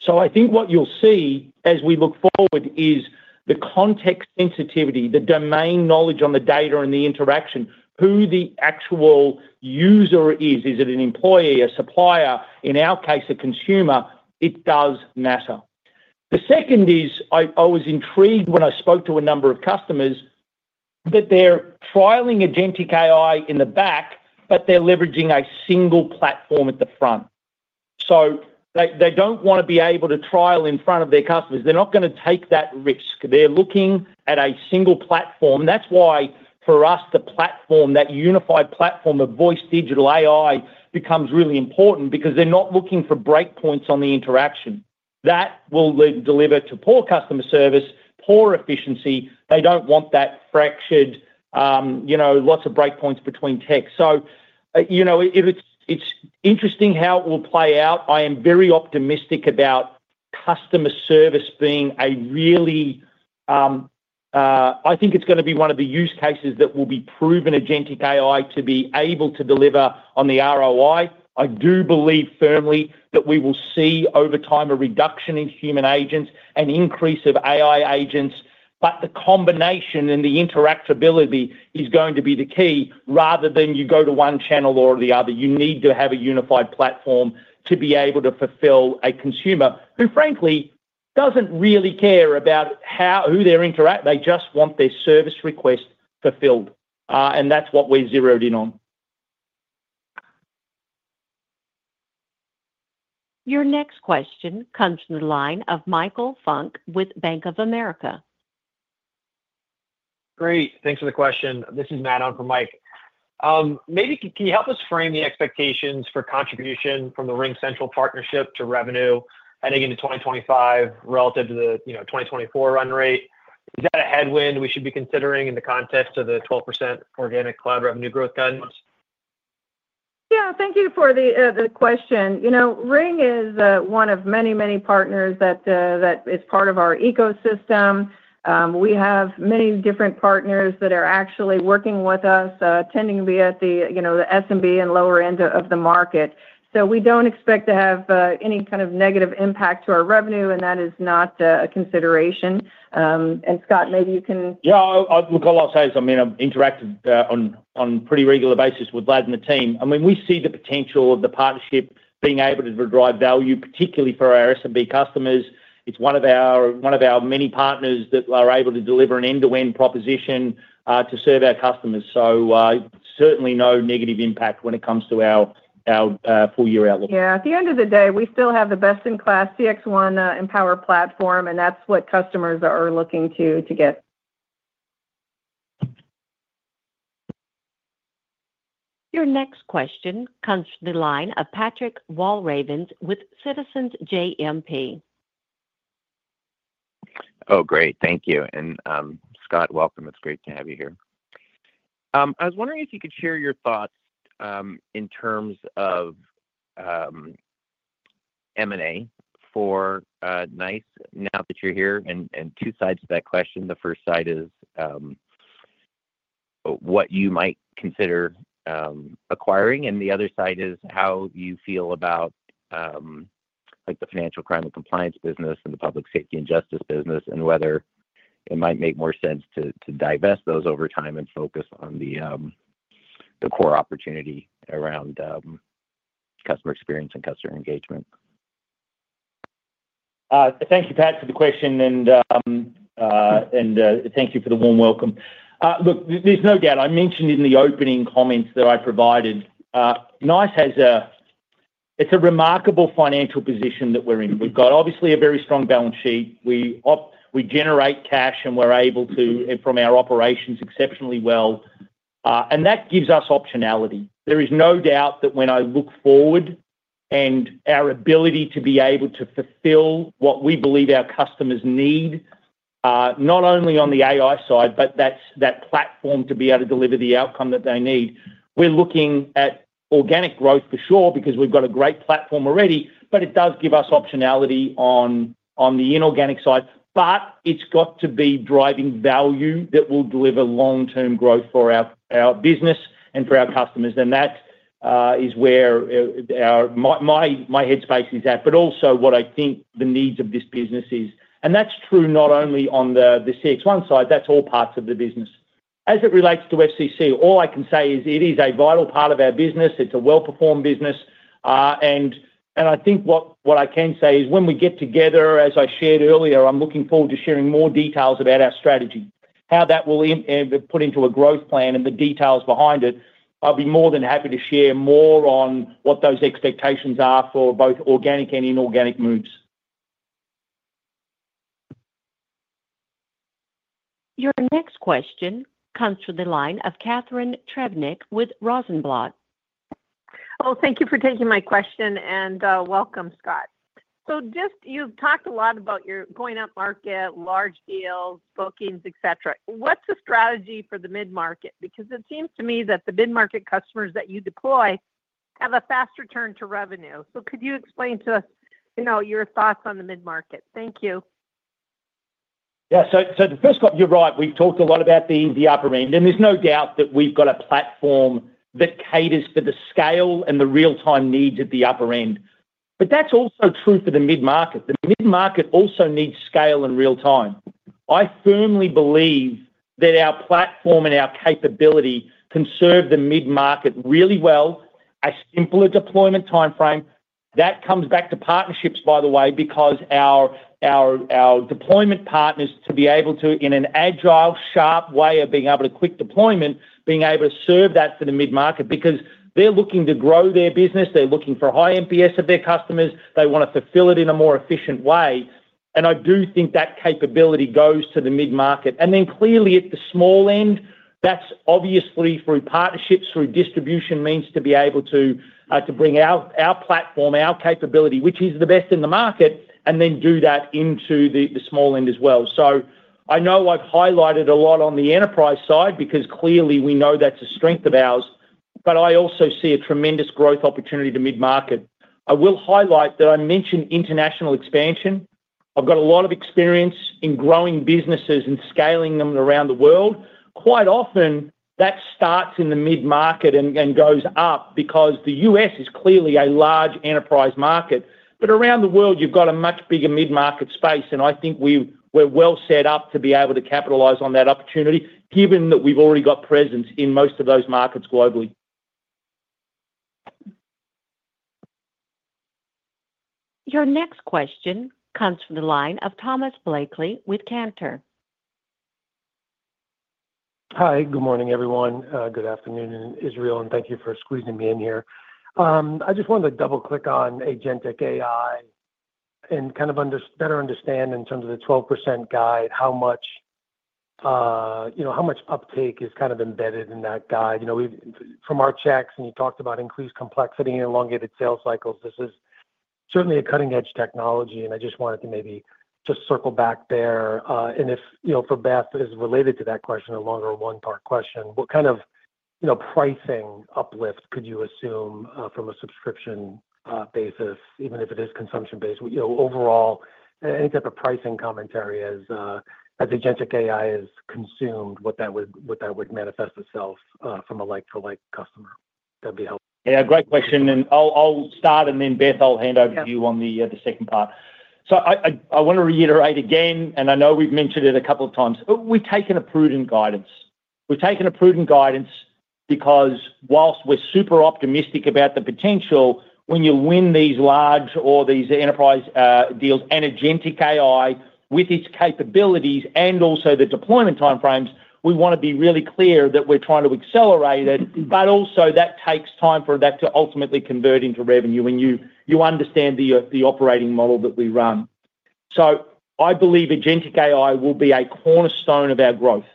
So I think what you'll see as we look forward is the context sensitivity, the domain knowledge on the data and the interaction, who the actual user is. Is it an employee, a supplier, in our case, a consumer? It does matter. The second is I was intrigued when I spoke to a number of customers that they're trialing Agentic AI in the back, but they're leveraging a single platform at the front. So they don't want to be able to trial in front of their customers. They're not going to take that risk. They're looking at a single platform. That's why for us, the platform, that unified platform of voice digital AI becomes really important because they're not looking for breakpoints on the interaction. That will deliver to poor customer service, poor efficiency. They don't want that fractured, lots of breakpoints between tech. So it's interesting how it will play out. I am very optimistic about customer service being a really I think it's going to be one of the use cases that will be proven Agentic AI to be able to deliver on the ROI. I do believe firmly that we will see over time a reduction in human agents and increase of AI agents. But the combination and the interoperability is going to be the key rather than you go to one channel or the other. You need to have a unified platform to be able to fulfill a consumer who, frankly, doesn't really care about who they're interacting with. They just want their service request fulfilled. And that's what we're zeroed in on. Your next question comes from the line of Michael Funk with Bank of America. Great. Thanks for the question. This is Matt on for Mike. Maybe can you help us frame the expectations for contribution from the RingCentral partnership to revenue heading into 2025 relative to the 2024 run rate? Is that a headwind we should be considering in the context of the 12% organic cloud revenue growth guidance? Yeah. Thank you for the question. Ring is one of many, many partners that is part of our ecosystem. We have many different partners that are actually working with us, tending to be at the SMB and lower end of the market. So we don't expect to have any kind of negative impact to our revenue, and that is not a consideration. And Scott, maybe you can. Yeah. Like I say, I mean, I've interacted on pretty regular basis with Vlad and the team. I mean, we see the potential of the partnership being able to drive value, particularly for our SMB customers. It's one of our many partners that are able to deliver an end-to-end proposition to serve our customers. So certainly no negative impact when it comes to our full-year outlook. Yeah. At the end of the day, we still have the best-in-class CXone Mpower platform, and that's what customers are looking to get. Your next question comes from the line of Patrick Walravens with Citizens JMP. Oh, great. Thank you. And Scott, welcome. It's great to have you here. I was wondering if you could share your thoughts in terms of M&A for NICE now that you're here. And two sides to that question. The first side is what you might consider acquiring, and the other side is how you feel about the financial crime and compliance business and the public safety and justice business and whether it might make more sense to divest those over time and focus on the core opportunity around customer experience and customer engagement. Thank you, Pat, for the question, and thank you for the warm welcome. Look, there's no doubt. I mentioned in the opening comments that I provided. NICE has a remarkable financial position that we're in. We've got obviously a very strong balance sheet. We generate cash, and we're able to from our operations exceptionally well, and that gives us optionality. There is no doubt that when I look forward and our ability to be able to fulfill what we believe our customers need, not only on the AI side, but that platform to be able to deliver the outcome that they need. We're looking at organic growth for sure because we've got a great platform already, but it does give us optionality on the inorganic side, but it's got to be driving value that will deliver long-term growth for our business and for our customers, and that is where my headspace is at, but also what I think the needs of this business is. That's true not only on the CXone side. That's all parts of the business. As it relates to FCC, all I can say is it is a vital part of our business. It's a well-performed business. I think what I can say is when we get together, as I shared earlier, I'm looking forward to sharing more details about our strategy, how that will be put into a growth plan and the details behind it. I'll be more than happy to share more on what those expectations are for both organic and inorganic moves. Your next question comes from the line of Catharine Trebnick with Rosenblatt. Thank you for taking my question, and welcome, Scott. So you've talked a lot about your going up market, large deals, bookings, etc. What's the strategy for the mid-market? Because it seems to me that the mid-market customers that you deploy have a fast return to revenue. So could you explain to us your thoughts on the mid-market? Thank you. Yeah. So first of all, you're right. We've talked a lot about the upper end. And there's no doubt that we've got a platform that caters for the scale and the real-time needs at the upper end. But that's also true for the mid-market. The mid-market also needs scale and real-time. I firmly believe that our platform and our capability can serve the mid-market really well. A simpler deployment timeframe. That comes back to partnerships, by the way, because our deployment partners to be able to, in an agile, sharp way of being able to quick deployment, being able to serve that for the mid-market because they're looking to grow their business. They're looking for high NPS of their customers. They want to fulfill it in a more efficient way. And I do think that capability goes to the mid-market. And then clearly at the small end, that's obviously through partnerships, through distribution means to be able to bring out our platform, our capability, which is the best in the market, and then do that into the small end as well. So I know I've highlighted a lot on the enterprise side because clearly we know that's a strength of ours. But I also see a tremendous growth opportunity to mid-market. I will highlight that I mentioned international expansion. I've got a lot of experience in growing businesses and scaling them around the world. Quite often, that starts in the mid-market and goes up because the U.S. is clearly a large enterprise market. But around the world, you've got a much bigger mid-market space. And I think we're well set up to be able to capitalize on that opportunity, given that we've already got presence in most of those markets globally. Your next question comes from the line of Thomas Blakey with Cantor. Hi. Good morning, everyone. Good afternoon in Israel. And thank you for squeezing me in here. I just wanted to double-click on Agentic AI and kind of better understand in terms of the 12% guide how much uptake is kind of embedded in that guide. From our checks, and you talked about increased complexity and elongated sales cycles, this is certainly a cutting-edge technology. And I just wanted to maybe just circle back there. And for Beth, as related to that question, a longer one-part question, what kind of pricing uplift could you assume from a subscription basis, even if it is consumption-based? Overall, any type of pricing commentary as Agentic AI is consumed, what that would manifest itself from a like-for-like customer? That'd be helpful. Yeah. Great question. And I'll start, and then Beth, I'll hand over to you on the second part. So I want to reiterate again, and I know we've mentioned it a couple of times, we've taken a prudent guidance. We've taken a prudent guidance because while we're super optimistic about the potential, when you win these large or these enterprise deals and Agentic AI with its capabilities and also the deployment timeframes, we want to be really clear that we're trying to accelerate it. But also that takes time for that to ultimately convert into revenue when you understand the operating model that we run. So I believe Agentic AI will be a cornerstone of our growth.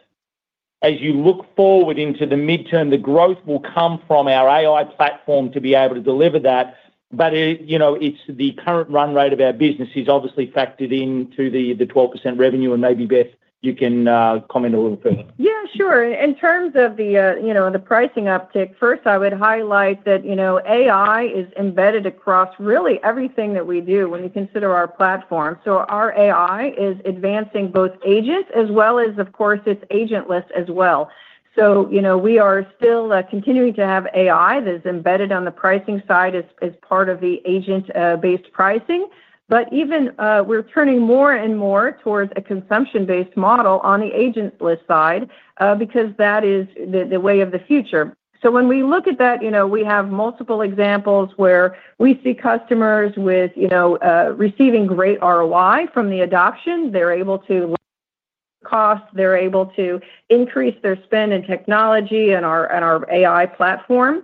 As you look forward into the midterm, the growth will come from our AI platform to be able to deliver that. But the current run rate of our business is obviously factored into the 12% revenue. And maybe, Beth, you can comment a little further. Yeah, sure. In terms of the pricing uptake, first, I would highlight that AI is embedded across really everything that we do when you consider our platform. So our AI is advancing both agents as well as, of course, its agentless as well. So we are still continuing to have AI that is embedded on the pricing side as part of the agent-based pricing. But even we're turning more and more towards a consumption-based model on the agentless side because that is the way of the future. So when we look at that, we have multiple examples where we see customers receiving great ROI from the adoption. They're able to lower costs. They're able to increase their spend in technology and our AI platform.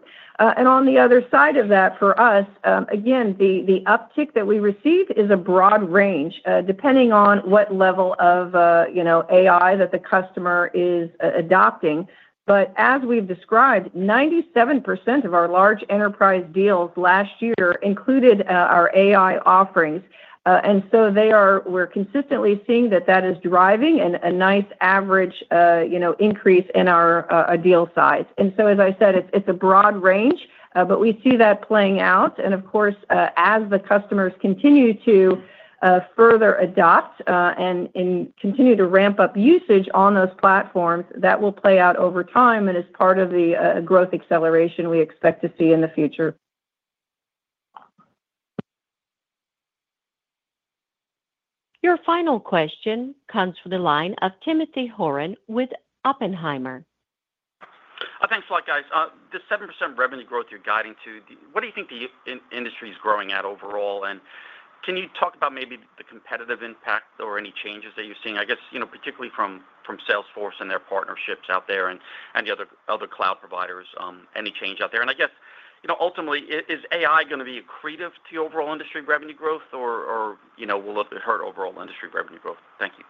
And on the other side of that, for us, again, the uptick that we receive is a broad range depending on what level of AI that the customer is adopting. But as we've described, 97% of our large enterprise deals last year included our AI offerings. And so we're consistently seeing that that is driving a nice average increase in our deal size. And so, as I said, it's a broad range, but we see that playing out. And of course, as the customers continue to further adopt and continue to ramp up usage on those platforms, that will play out over time and is part of the growth acceleration we expect to see in the future. Your final question comes from the line of Timothy Horan with Oppenheimer. Thanks a lot, guys. The 7% revenue growth you're guiding to, what do you think the industry is growing at overall? And can you talk about maybe the competitive impact or any changes that you're seeing, I guess, particularly from Salesforce and their partnerships out there and the other cloud providers? Any change out there? And I guess, ultimately, is AI going to be accretive to overall industry revenue growth, or will it hurt overall industry revenue growth? Thank you.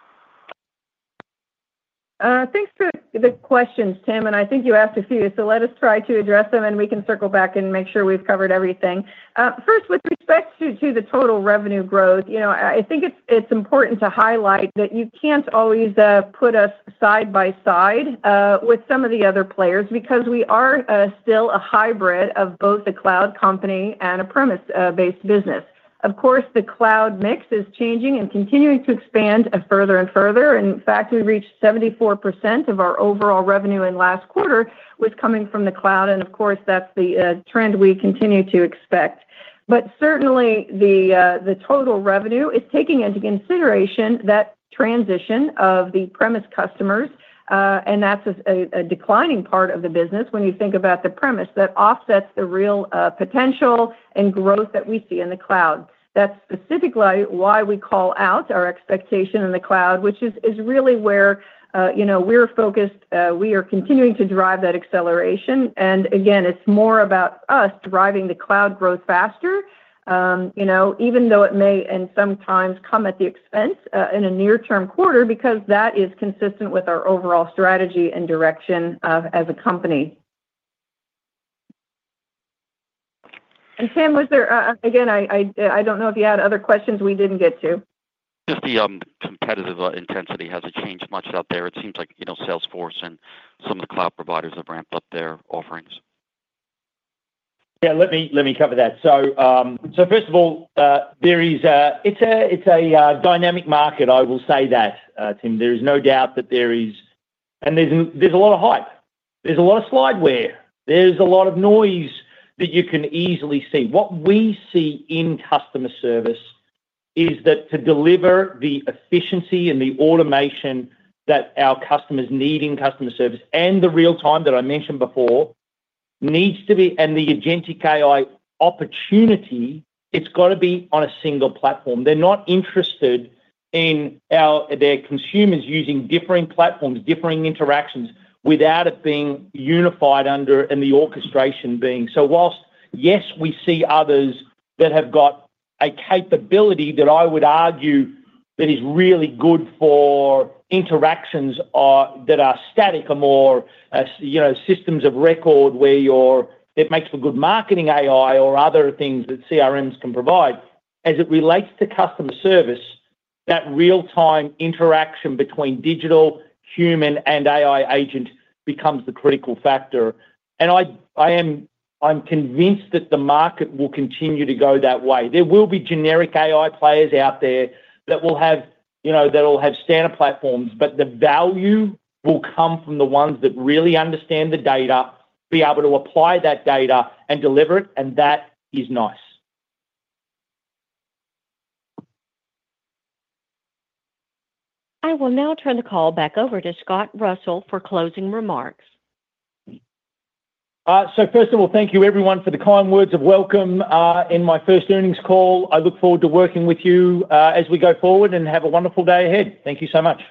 Thanks for the questions, Tim. And I think you asked a few, so let us try to address them, and we can circle back and make sure we've covered everything. First, with respect to the total revenue growth, I think it's important to highlight that you can't always put us side by side with some of the other players because we are still a hybrid of both a cloud company and an on-premises business. Of course, the cloud mix is changing and continuing to expand further and further. In fact, we reached 74% of our overall revenue in last quarter was coming from the cloud. And of course, that's the trend we continue to expect. But certainly, the total revenue is taking into consideration that transition of the premise customers, and that's a declining part of the business when you think about the premise that offsets the real potential and growth that we see in the cloud. That's specifically why we call out our expectation in the cloud, which is really where we're focused. We are continuing to drive that acceleration. And again, it's more about us driving the cloud growth faster, even though it may sometimes come at the expense in a near-term quarter because that is consistent with our overall strategy and direction as a company. And Tim, again, I don't know if you had other questions we didn't get to. Just the competitive intensity, has it changed much out there? It seems like Salesforce and some of the cloud providers have ramped up their offerings. Yeah. Let me cover that. So first of all, it's a dynamic market, I will say that, Tim. There is no doubt that there is, and there's a lot of hype. There's a lot of sideways. There's a lot of noise that you can easily see. What we see in customer service is that to deliver the efficiency and the automation that our customers need in customer service and the real-time that I mentioned before needs to be, and the Agentic AI opportunity, it's got to be on a single platform. They're not interested in their consumers using differing platforms, differing interactions without it being unified under and the orchestration being. So whilst, yes, we see others that have got a capability that I would argue that is really good for interactions that are static or more systems of record where it makes for good marketing AI or other things that CRMs can provide. As it relates to customer service, that real-time interaction between digital, human, and AI agent becomes the critical factor, and I am convinced that the market will continue to go that way. There will be generic AI players out there that will have standard platforms, but the value will come from the ones that really understand the data, be able to apply that data, and deliver it, and that is nice. I will now turn the call back over to Scott Russell for closing remarks, So first of all, thank you, everyone, for the kind words of welcome in my first earnings call. I look forward to working with you as we go forward and have a wonderful day ahead. Thank you so much.